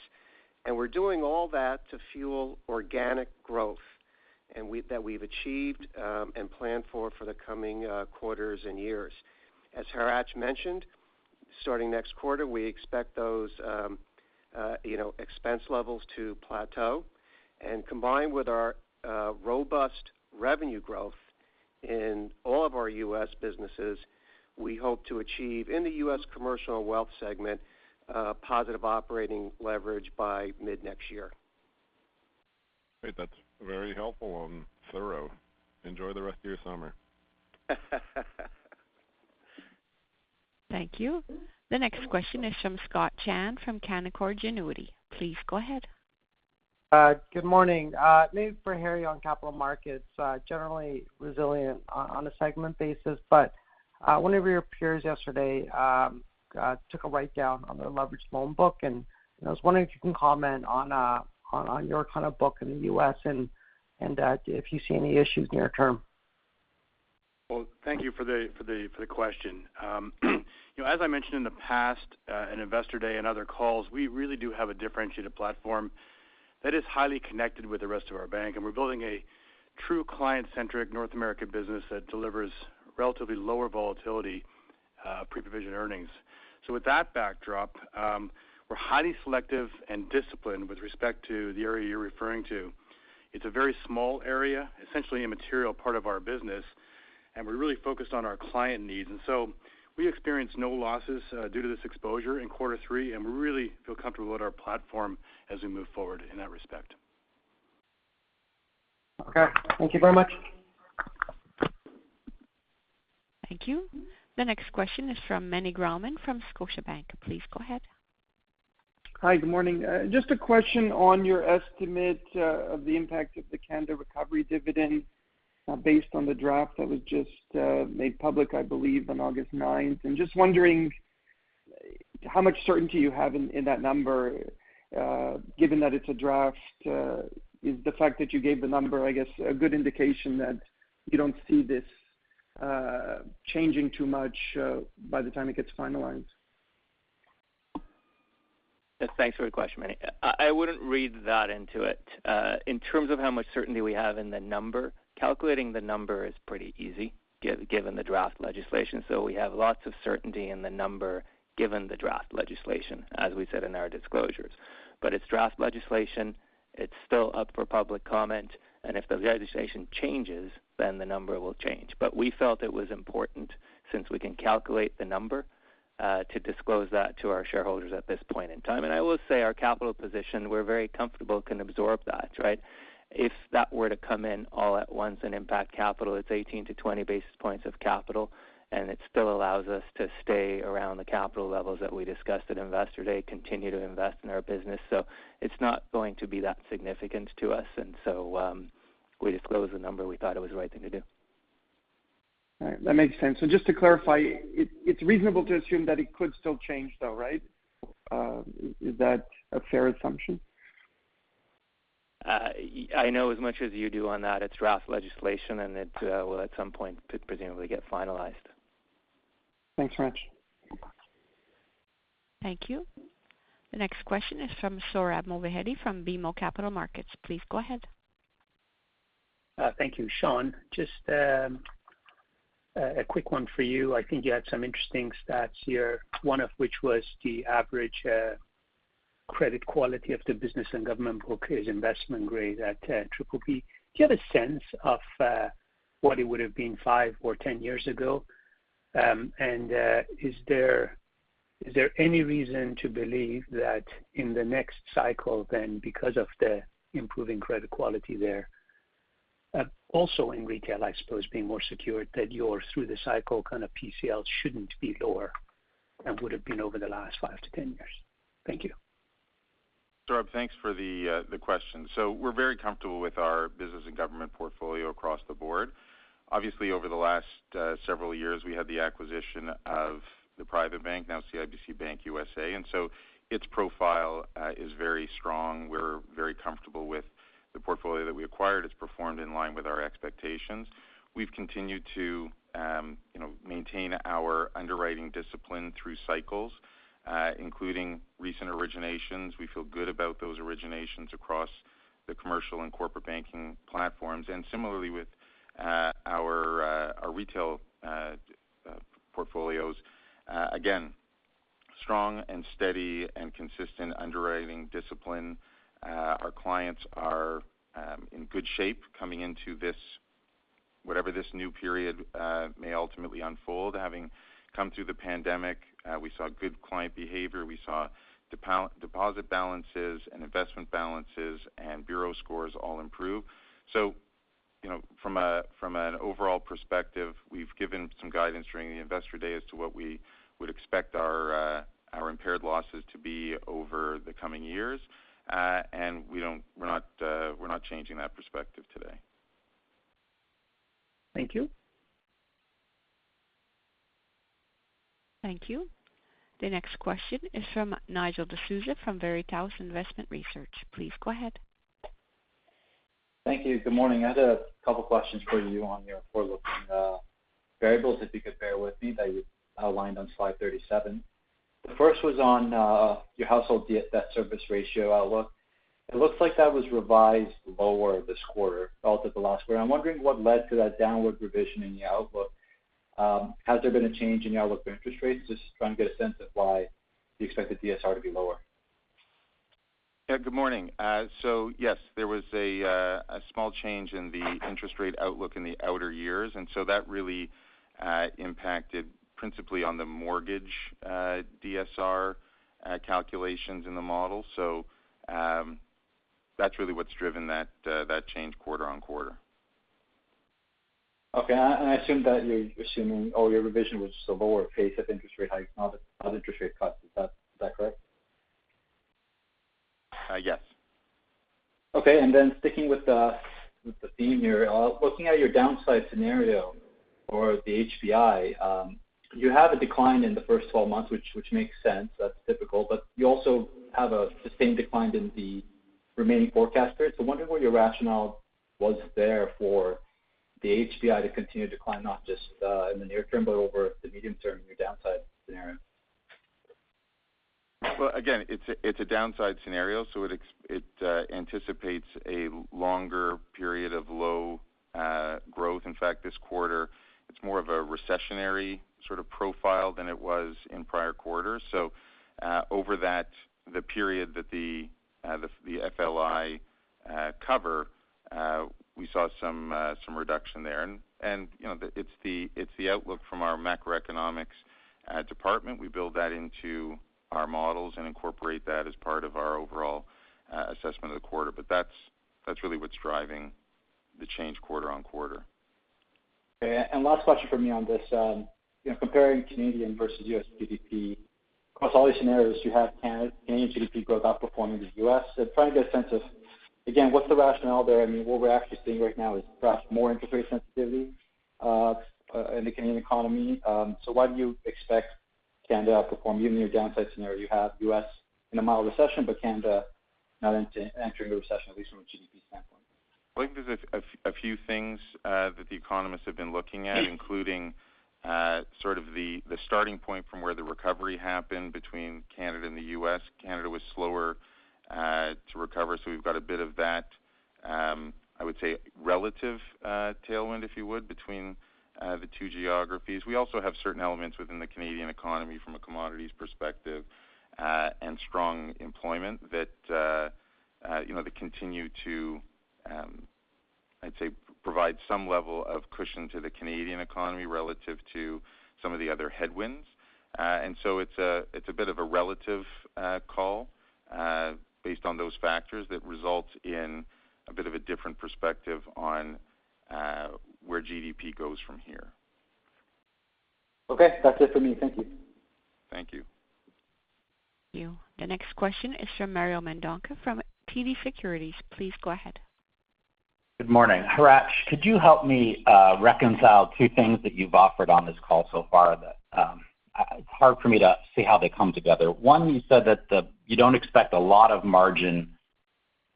We're doing all that to fuel organic growth, and that we've achieved and planned for the coming quarters and years. As Hratch mentioned, starting next quarter, we expect those, you know, expense levels to plateau. Combined with our robust revenue growth in all of our U.S. businesses, we hope to achieve in the U.S. commercial and wealth segment positive operating leverage by mid next year. Great. That's very helpful and thorough. Enjoy the rest of your summer. Thank you. The next question is from Scott Chan from Canaccord Genuity. Please go ahead. Good morning. Maybe for Harry on Capital Markets, generally resilient on a segment basis. One of your peers yesterday took a write-down on their leveraged loan book, and I was wondering if you can comment on your kind of book in the U.S. and if you see any issues near-term. Well, thank you for the question. You know, as I mentioned in the past, in Investor Day and other calls, we really do have a differentiated platform that is highly connected with the rest of our bank, and we're building a true client-centric North American business that delivers relatively lower volatility, pre-provision earnings. With that backdrop, we're highly selective and disciplined with respect to the area you're referring to. It's a very small area, essentially a material part of our business, and we're really focused on our client needs. We experience no losses due to this exposure in quarter three, and we really feel comfortable with our platform as we move forward in that respect. Okay. Thank you very much. Thank you. The next question is from Meny Grauman from Scotiabank. Please go ahead. Hi. Good morning. Just a question on your estimate of the impact of the Canada Recovery Dividend based on the draft that was just made public, I believe, on August ninth. Just wondering how much certainty you have in that number given that it's a draft. Is the fact that you gave the number, I guess, a good indication that you don't see this changing too much by the time it gets finalized? Yes, thanks for your question, Meny. I wouldn't read that into it. In terms of how much certainty we have in the number, calculating the number is pretty easy given the draft legislation. We have lots of certainty in the number given the draft legislation, as we said in our disclosures. It's draft legislation, it's still up for public comment, and if the legislation changes, then the number will change. We felt it was important since we can calculate the number to disclose that to our shareholders at this point in time. I will say our capital position, we're very comfortable can absorb that, right? If that were to come in all at once and impact capital, it's 18-20 basis points of capital, and it still allows us to stay around the capital levels that we discussed at Investor Day, continue to invest in our business. It's not going to be that significant to us. We disclose the number, we thought it was the right thing to do. All right. That makes sense. Just to clarify, it's reasonable to assume that it could still change, though, right? Is that a fair assumption? I know as much as you do on that. It's draft legislation, and it will at some point presumably get finalized. Thanks very much. Thank you. The next question is from Sohrab Movahedi from BMO Capital Markets. Please go ahead. Thank you. Shawn, just a quick one for you. I think you had some interesting stats here, one of which was the average credit quality of the business and government borrowers investment grade at triple B. Do you have a sense of what it would have been five or 10 years ago? Is there any reason to believe that in the next cycle, because of the improving credit quality there, also in retail, I suppose, being more secured, that your through-the-cycle kind of PCL shouldn't be lower than would have been over the last five to 10 years? Thank you. Sohrab, thanks for the question. We're very comfortable with our business and government portfolio across the board. Obviously, over the last several years, we had the acquisition of the private bank, now CIBC Bank USA, and so its profile is very strong. We're very comfortable with the portfolio that we acquired. It's performed in line with our expectations. We've continued to, you know, maintain our underwriting discipline through cycles, including recent originations. We feel good about those originations across the commercial and corporate banking platforms. Similarly with our retail portfolios, again. Strong and steady and consistent underwriting discipline. Our clients are in good shape coming into this whatever this new period may ultimately unfold. Having come through the pandemic, we saw good client behavior. We saw deposit balances and investment balances and bureau scores all improve. You know, from an overall perspective, we've given some guidance during the Investor Day as to what we would expect our impaired losses to be over the coming years. We're not changing that perspective today. Thank you. Thank you. The next question is from Nigel D'Souza from Veritas Investment Research. Please go ahead. Thank you. Good morning. I had a couple questions for you on your forward-looking variables, if you could bear with me, that you outlined on slide 37. The first was on your household debt service ratio outlook. It looks like that was revised lower this quarter relative to last quarter. I'm wondering what led to that downward revision in the outlook. Has there been a change in the outlook for interest rates? Just trying to get a sense of why you expect the DSR to be lower. Yeah. Good morning. Yes, there was a small change in the interest rate outlook in the outer years, and so that really impacted principally on the mortgage DSR calculations in the model. That's really what's driven that change quarter-over-quarter. Okay. I assume that you're assuming all your revision was a lower pace of interest rate hikes, not interest rate cuts. Is that correct? Yes. Okay. Sticking with the theme here, looking at your downside scenario for the HPI, you have a decline in the first 12 months, which makes sense. That's typical. You also have a sustained decline in the remaining forecast period. I'm wondering what your rationale was there for the HPI to continue to decline, not just in the near term, but over the medium term in your downside scenario. Again, it's a downside scenario, so it anticipates a longer period of low growth. In fact, this quarter, it's more of a recessionary sort of profile than it was in prior quarters. Over that period that the FLI covers, we saw some reduction there. You know, it's the outlook from our macroeconomics department. We build that into our models and incorporate that as part of our overall assessment of the quarter. That's really what's driving the change quarter-over-quarter. Okay. Last question from me on this. You know, comparing Canadian versus U.S. GDP, across all these scenarios, you have Canadian GDP growth outperforming the U.S. Trying to get a sense of, again, what's the rationale there? I mean, what we're actually seeing right now is perhaps more interest rate sensitivity in the Canadian economy. Why do you expect Canada to outperform? Even in your downside scenario, you have U.S. in a mild recession, but Canada not entering a recession, at least from a GDP standpoint. Well, I think there's a few things that the economists have been looking at, including sort of the starting point from where the recovery happened between Canada and the U.S. Canada was slower to recover, so we've got a bit of that. I would say relative tailwind, if you would, between the two geographies. We also have certain elements within the Canadian economy from a commodities perspective and strong employment that you know that continue to, I'd say provide some level of cushion to the Canadian economy relative to some of the other headwinds. It's a bit of a relative call based on those factors that result in a bit of a different perspective on where GDP goes from here. Okay. That's it for me. Thank you. Thank you. Thank you. The next question is from Mario Mendonca from TD Securities. Please go ahead. Good morning. Hratch, could you help me reconcile two things that you've offered on this call so far that it's hard for me to see how they come together. One, you said that you don't expect a lot of margin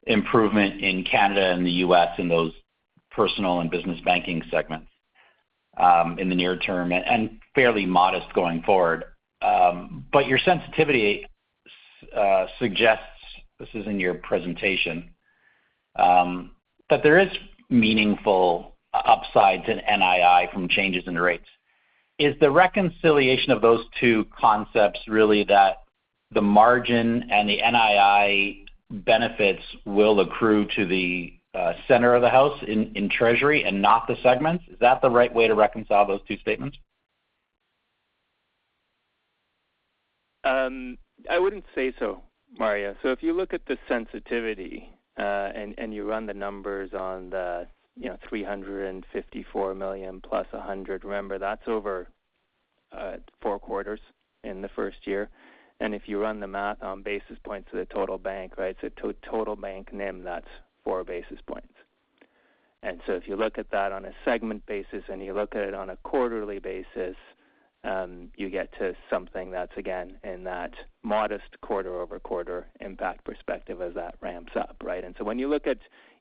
improvement in Canada and the U.S. in those personal and business banking segments in the near term and fairly modest going forward. Your sensitivity suggests, this is in your presentation, that there is meaningful upsides in NII from changes in the rates. Is the reconciliation of those two concepts really that the margin and the NII benefits will accrue to the center of the house in treasury and not the segments? Is that the right way to reconcile those two statements? I wouldn't say so, Mario. If you look at the sensitivity and you run the numbers on the 354 million + 100 million, remember, that's over 4 quarters in the first year. If you run the math on basis points to the total bank, right? Total bank NIM, that's 4 basis points. If you look at that on a segment basis and you look at it on a quarterly basis, you get to something that's, again, in that modest quarter-over-quarter impact perspective as that ramps up, right? When you look at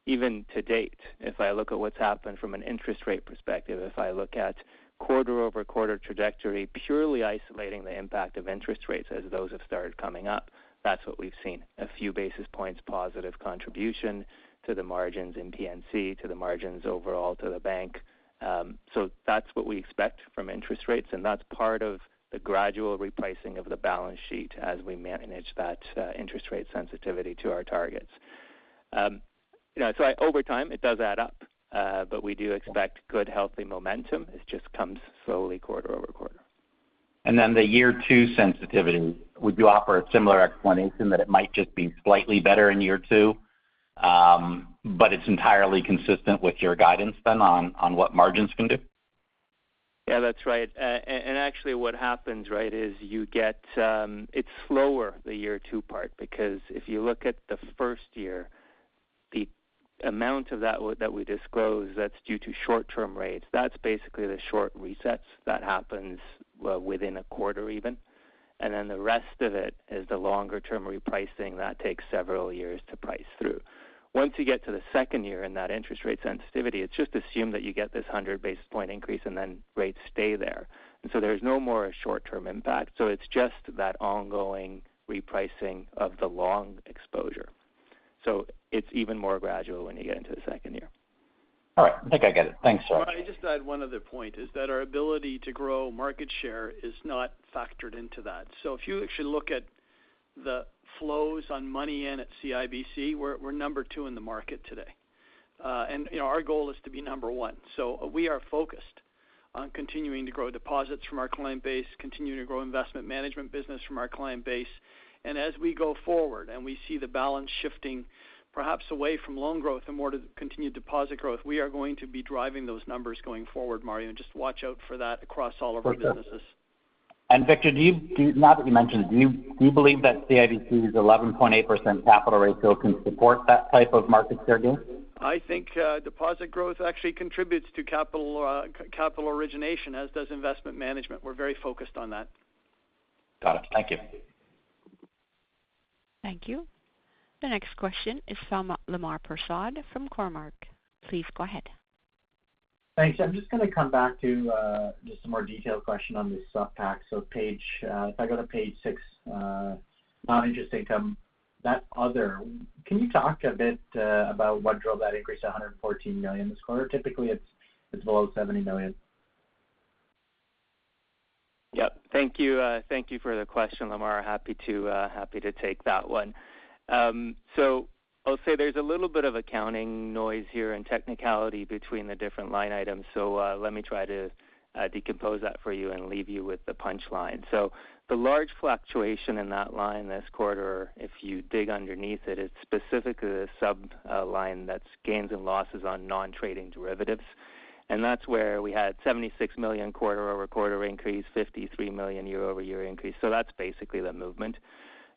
even to date, if I look at what's happened from an interest rate perspective, if I look at quarter-over-quarter trajectory, purely isolating the impact of interest rates as those have started coming up, that's what we've seen, a few basis points positive contribution to the margins in P&C, to the margins overall to the bank. That's what we expect from interest rates, and that's part of the gradual replacing of the balance sheet as we manage that interest rate sensitivity to our targets. You know, so over time it does add up. We do expect good healthy momentum. It just comes slowly quarter-over-quarter. The year two sensitivity, would you offer a similar explanation that it might just be slightly better in year two? It's entirely consistent with your guidance then on what margins can do? Yeah, that's right. Actually what happens, right, is you get, it's slower, the year two part, because if you look at the first year, the amount that we disclose that's due to short-term rates, that's basically the short resets that happen within a quarter even. Then the rest of it is the longer-term repricing that takes several years to price through. Once you get to the second year in that interest rate sensitivity, it's just assumed that you get this 100 basis point increase and then rates stay there. There's no more short-term impact. It's just that ongoing repricing of the long exposure. It's even more gradual when you get into the second year. All right. I think I get it. Thanks, Hratch. I'll just add one other point, is that our ability to grow market share is not factored into that. If you actually look at the flows on money in at CIBC, we're number two in the market today. You know, our goal is to be number one. We are focused on continuing to grow deposits from our client base, continuing to grow investment management business from our client base. As we go forward and we see the balance shifting perhaps away from loan growth and more to continued deposit growth, we are going to be driving those numbers going forward, Mario. Just watch out for that across all of our businesses. Victor, now that you mentioned it, do you believe that CIBC's 11.8% capital ratio can support that type of market share gain? I think, deposit growth actually contributes to capital origination, as does investment management. We're very focused on that. Got it. Thank you. Thank you. The next question is from Lemar Persaud from Cormark. Please go ahead. Thanks. I'm just gonna come back to, just a more detailed question on the sub-pack. Page, if I go to page six, non-interest income, that other, can you talk a bit, about what drove that increase to 114 million this quarter? Typically, it's below 70 million. Yep. Thank you. Thank you for the question, Lamar. Happy to take that one. I'll say there's a little bit of accounting noise here and technicality between the different line items. Let me try to decompose that for you and leave you with the punchline. The large fluctuation in that line this quarter, if you dig underneath it's specifically the sub line that's gains and losses on non-trading derivatives. That's where we had 76 million quarter-over-quarter increase, 53 million year-over-year increase. That's basically the movement.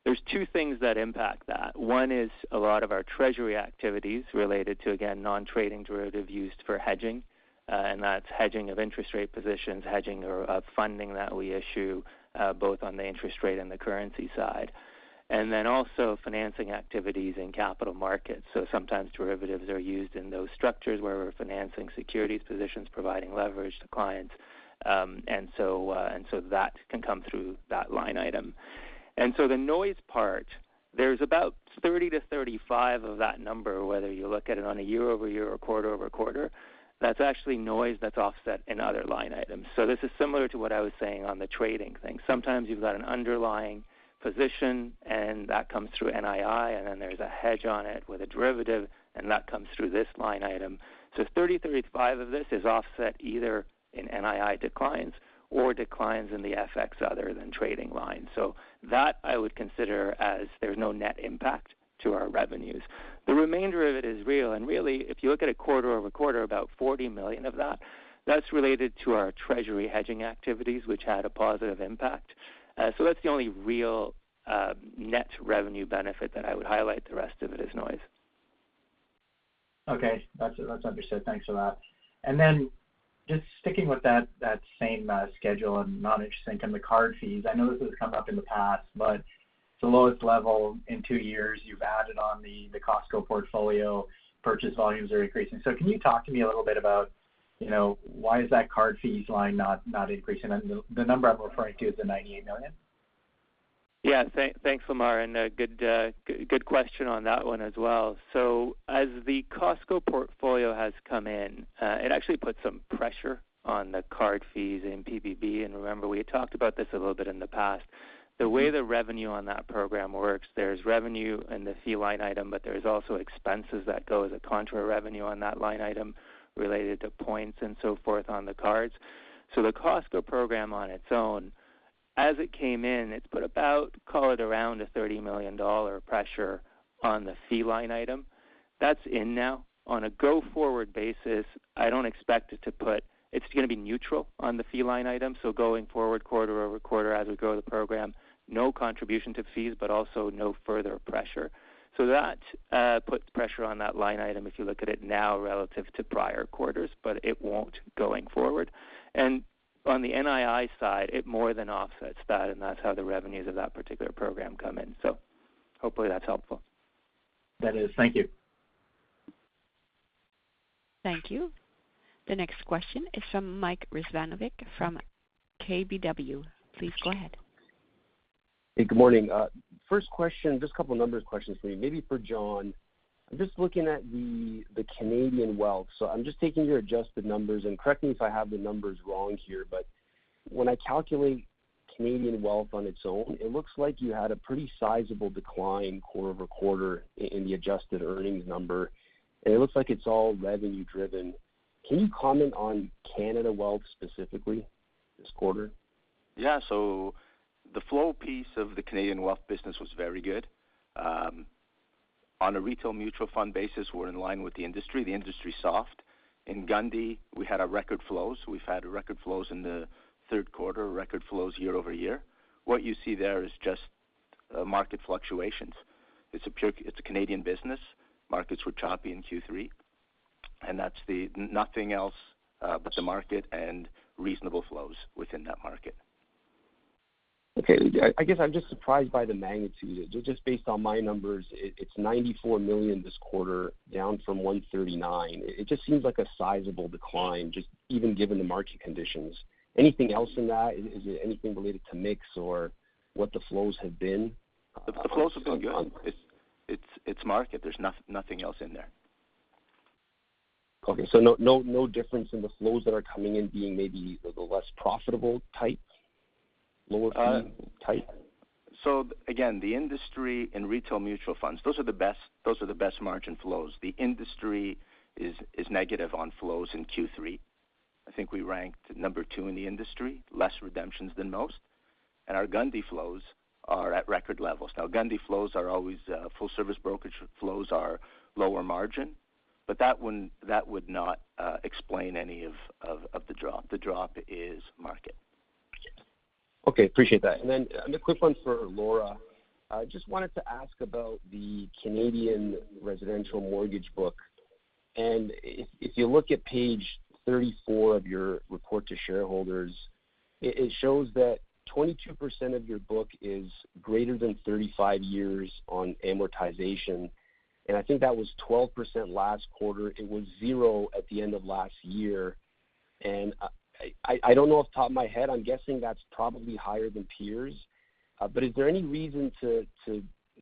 There's two things that impact that. One is a lot of our treasury activities related to, again, non-trading derivative used for hedging, and that's hedging of interest rate positions, hedging of funding that we issue, both on the interest rate and the currency side. Then also financing activities in Capital Markets. Sometimes derivatives are used in those structures where we're financing securities positions, providing leverage to clients. That can come through that line item. The noise part, there's about 30-35 of that number, whether you look at it on a year-over-year or quarter-over-quarter, that's actually noise that's offset in other line items. This is similar to what I was saying on the trading thing. Sometimes you've got an underlying position and that comes through NII, and then there's a hedge on it with a derivative, and that comes through this line item. 30-35 of this is offset either in NII declines or declines in the FX other than trading line. That I would consider as there's no net impact to our revenues. The remainder of it is real, and really, if you look at a quarter-over-quarter, about 40 million of that's related to our treasury hedging activities, which had a positive impact. That's the only real, net revenue benefit that I would highlight. The rest of it is noise. Okay. That's understood. Thanks a lot. Just sticking with that same schedule and non-interest income, the card fees, I know this has come up in the past, but it's the lowest level in two years. You've added on the Costco portfolio, purchase volumes are increasing. Can you talk to me a little bit about, you know, why is that card fees line not increasing? The number I'm referring to is the 98 million. Yeah. Thanks, Lemar, good question on that one as well. As the Costco portfolio has come in, it actually puts some pressure on the card fees in PBB. Remember, we had talked about this a little bit in the past. The way the revenue on that program works, there's revenue in the fee line item, but there's also expenses that go as a contra revenue on that line item related to points and so forth on the cards. The Costco program on its own, as it came in, it's put about, call it around a 30 million dollar pressure on the fee line item. That's in now. On a go-forward basis, I don't expect it. It's gonna be neutral on the fee line item, so going forward quarter-over-quarter as we grow the program, no contribution to fees, but also no further pressure. That puts pressure on that line item if you look at it now relative to prior quarters, but it won't going forward. On the NII side, it more than offsets that, and that's how the revenues of that particular program come in. Hopefully that's helpful. That is. Thank you. Thank you. The next question is from Mike Rizvanovic from KBW. Please go ahead. Hey, good morning. First question, just a couple numbers questions for you. Maybe for Jon Hountalas. I'm just looking at the Canadian wealth. So I'm just taking your adjusted numbers, and correct me if I have the numbers wrong here, but when I calculate Canadian wealth on its own, it looks like you had a pretty sizable decline quarter-over-quarter in the adjusted earnings number. It looks like it's all revenue-driven. Can you comment on Canada wealth specifically this quarter? The flow piece of the Canadian wealth business was very good. On a retail mutual fund basis, we're in line with the industry, the industry soft. In Wood Gundy, we had our record flows. We've had record flows in the third quarter, record flows year-over-year. What you see there is just market fluctuations. It's a Canadian business. Markets were choppy in Q3, and that's nothing else but the market and reasonable flows within that market. Okay. I guess I'm just surprised by the magnitude. Just based on my numbers, it's 94 million this quarter, down from 139 million. It just seems like a sizable decline, just even given the market conditions. Anything else in that? Is it anything related to mix or what the flows have been? The flow's been good. It's market. There's nothing else in there. Okay. No difference in the flows that are coming in being maybe the less profitable type, lower fee type? Again, the industry and retail mutual funds, those are the best margin flows. The industry is negative on flows in Q3. I think we ranked number two in the industry, less redemptions than most, and our Wood Gundy flows are at record levels. Now, Wood Gundy flows are always full service brokerage flows are lower margin, but that would not explain any of the drop. The drop is market. Okay. Appreciate that. Then a quick one for Laura. I just wanted to ask about the Canadian residential mortgage book. If you look at page 34 of your report to shareholders, it shows that 22% of your book is greater than 35 years on amortization, and I think that was 12% last quarter. It was 0 at the end of last year. I don't know off the top of my head. I'm guessing that's probably higher than peers. But is there any reason to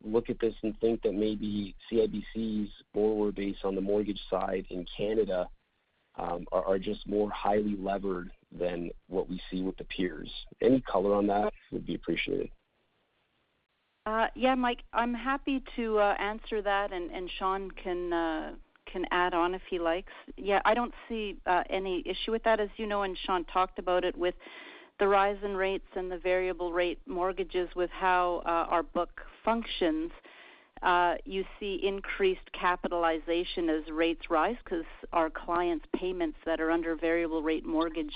look at this and think that maybe CIBC's forward based on the mortgage side in Canada are just more highly levered than what we see with the peers? Any color on that would be appreciated. Yeah, Mike, I'm happy to answer that, and Shawn can add on if he likes. Yeah, I don't see any issue with that. As you know, Shawn talked about it with the rise in rates and the variable rate mortgages with how our book functions, you see increased capitalization as rates rise because our clients' payments that are under variable rate mortgage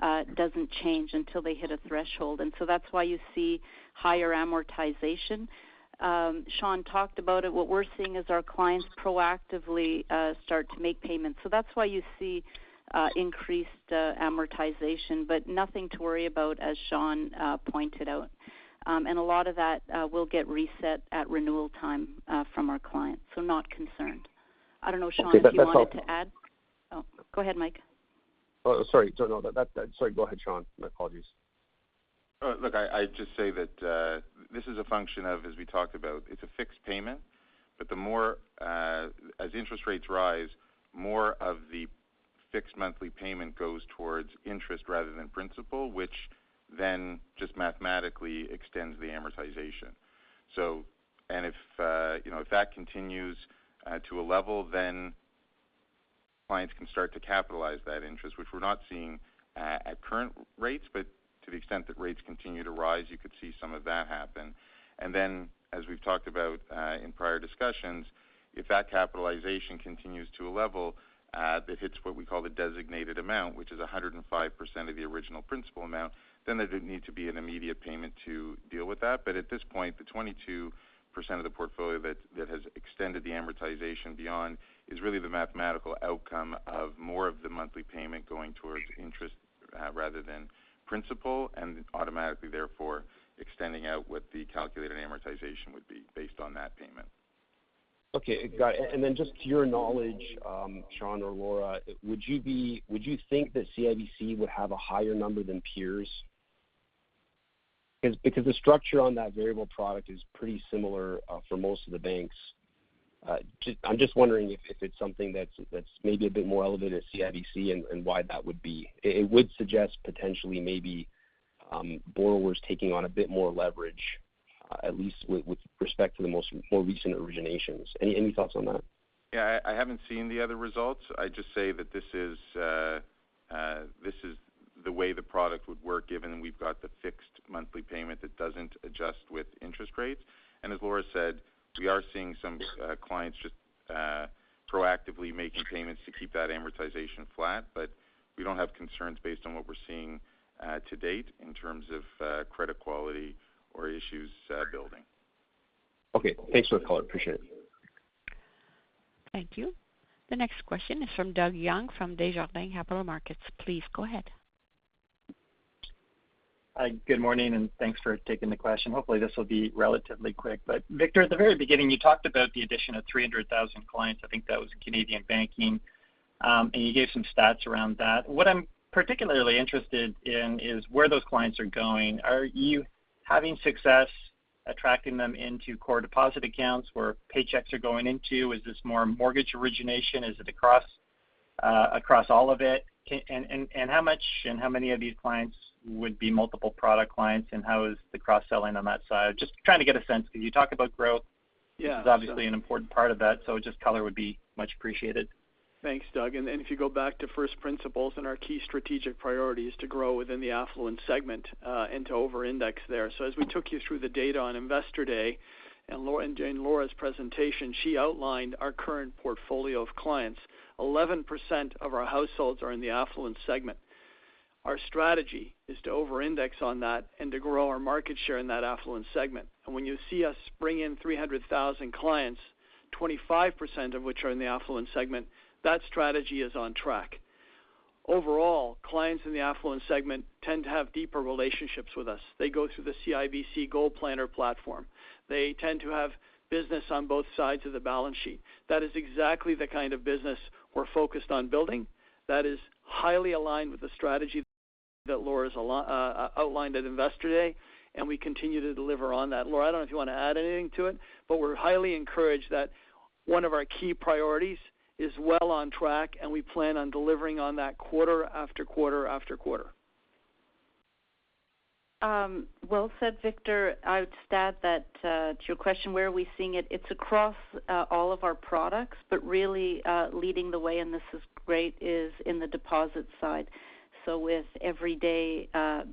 doesn't change until they hit a threshold. That's why you see higher amortization. Shawn talked about it. What we're seeing is our clients proactively start to make payments. That's why you see increased amortization, but nothing to worry about as Shawn pointed out. A lot of that will get reset at renewal time from our clients, not concerned. I don't know, Shawn, if you wanted to add. Okay. That's all. Oh, go ahead, Mike. Oh, sorry. No. Sorry. Go ahead, Shawn. My apologies. Look, I'd just say that this is a function of, as we talked about, it's a fixed payment, but the more, as interest rates rise, more of the fixed monthly payment goes towards interest rather than principal, which then just mathematically extends the amortization. If, you know, if that continues to a level, then clients can start to capitalize that interest, which we're not seeing at current rates. To the extent that rates continue to rise, you could see some of that happen. As we've talked about in prior discussions, if that capitalization continues to a level that hits what we call the designated amount, which is 105% of the original principal amount, then there'd need to be an immediate payment to deal with that. At this point, the 22% of the portfolio that has extended the amortization beyond is really the mathematical outcome of more of the monthly payment going towards interest, rather than principal, and automatically therefore extending out what the calculated amortization would be based on that payment. Okay. Got it. To your knowledge, Shawn or Laura, would you think that CIBC would have a higher number than peers? Because the structure on that variable product is pretty similar for most of the banks. I'm just wondering if it's something that's maybe a bit more elevated at CIBC and why that would be. It would suggest potentially maybe borrowers taking on a bit more leverage, at least with respect to the most recent originations. Any thoughts on that? Yeah. I haven't seen the other results. I'd just say that this is the way the product would work, given we've got the fixed monthly payment that doesn't adjust with interest rates. As Laura said, we are seeing some clients just proactively making payments to keep that amortization flat. We don't have concerns based on what we're seeing to date in terms of credit quality or issues building. Okay. Thanks for the color. Appreciate it. Thank you. The next question is from Doug Young from Desjardins Capital Markets. Please go ahead. Hi. Good morning, and thanks for taking the question. Hopefully, this will be relatively quick. Victor, at the very beginning, you talked about the addition of 300,000 clients, I think that was Canadian banking, and you gave some stats around that. What I'm particularly interested in is where those clients are going. Are you having success attracting them into core deposit accounts where paychecks are going into? Is this more mortgage origination? Is it across all of it. And how much and how many of these clients would be multiple product clients? And how is the cross-selling on that side? Just trying to get a sense, because you talk about growth- Yeah. This is obviously an important part of that, so just color would be much appreciated. Thanks, Doug. If you go back to first principles and our key strategic priority is to grow within the affluent segment and to overindex there. As we took you through the data on Investor Day and in Laura's presentation, she outlined our current portfolio of clients. 11% of our households are in the affluent segment. Our strategy is to overindex on that and to grow our market share in that affluent segment. When you see us bring in 300,000 clients, 25% of which are in the affluent segment, that strategy is on track. Overall, clients in the affluent segment tend to have deeper relationships with us. They go through the CIBC GoalPlanner platform. They tend to have business on both sides of the balance sheet. That is exactly the kind of business we're focused on building, that is highly aligned with the strategy that Laura's outlined at Investor Day, and we continue to deliver on that. Laura, I don't know if you want to add anything to it, but we're highly encouraged that one of our key priorities is well on track, and we plan on delivering on that quarter after quarter after quarter. Well said, Victor. I would state that, to your question, where are we seeing it? It's across, all of our products, but really, leading the way, and this is great, is in the deposit side, so with everyday,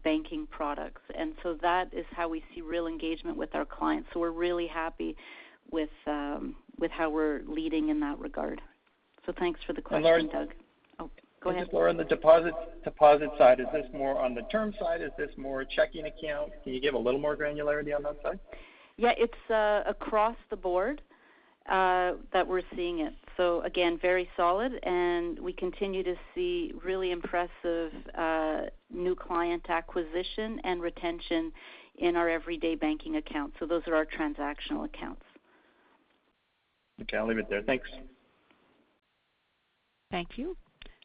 banking products. That is how we see real engagement with our clients, so we're really happy with how we're leading in that regard. Thanks for the question, Doug. Laura. Oh, go ahead. Just Laura, on the deposit side, is this more on the term side? Is this more checking account? Can you give a little more granularity on that side? Yeah, it's across the board that we're seeing it. Again, very solid, and we continue to see really impressive new client acquisition and retention in our everyday banking accounts. Those are our transactional accounts. Okay, I'll leave it there. Thanks. Thank you.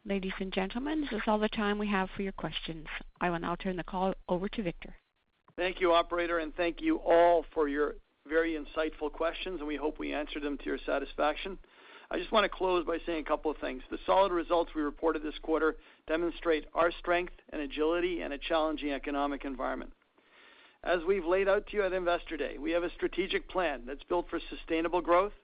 Ladies and gentlemen, this is all the time we have for your questions. I will now turn the call over to Victor. Thank you, operator, and thank you all for your very insightful questions, and we hope we answered them to your satisfaction. I just want to close by saying a couple of things. The solid results we reported this quarter demonstrate our strength and agility in a challenging economic environment. As we've laid out to you at Investor Day, we have a strategic plan that's built for sustainable growth,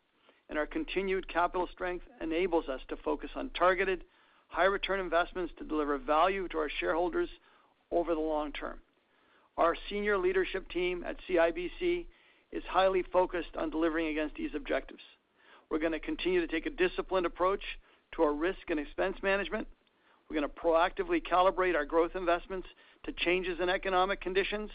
and our continued capital strength enables us to focus on targeted high-return investments to deliver value to our shareholders over the long term. Our senior leadership team at CIBC is highly focused on delivering against these objectives. We're gonna continue to take a disciplined approach to our risk and expense management. We're gonna proactively calibrate our growth investments to changes in economic conditions.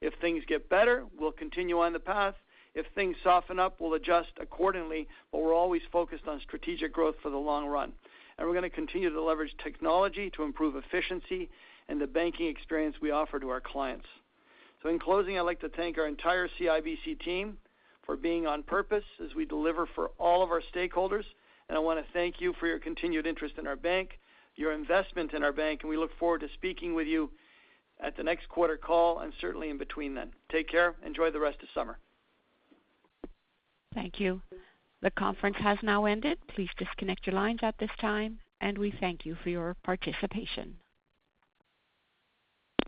If things get better, we'll continue on the path. If things soften up, we'll adjust accordingly, but we're always focused on strategic growth for the long run. We're gonna continue to leverage technology to improve efficiency and the banking experience we offer to our clients. In closing, I'd like to thank our entire CIBC team for being on purpose as we deliver for all of our stakeholders, and I want to thank you for your continued interest in our bank, your investment in our bank, and we look forward to speaking with you at the next quarter call and certainly in between then. Take care. Enjoy the rest of summer. Thank you. The conference has now ended. Please disconnect your lines at this time, and we thank you for your participation.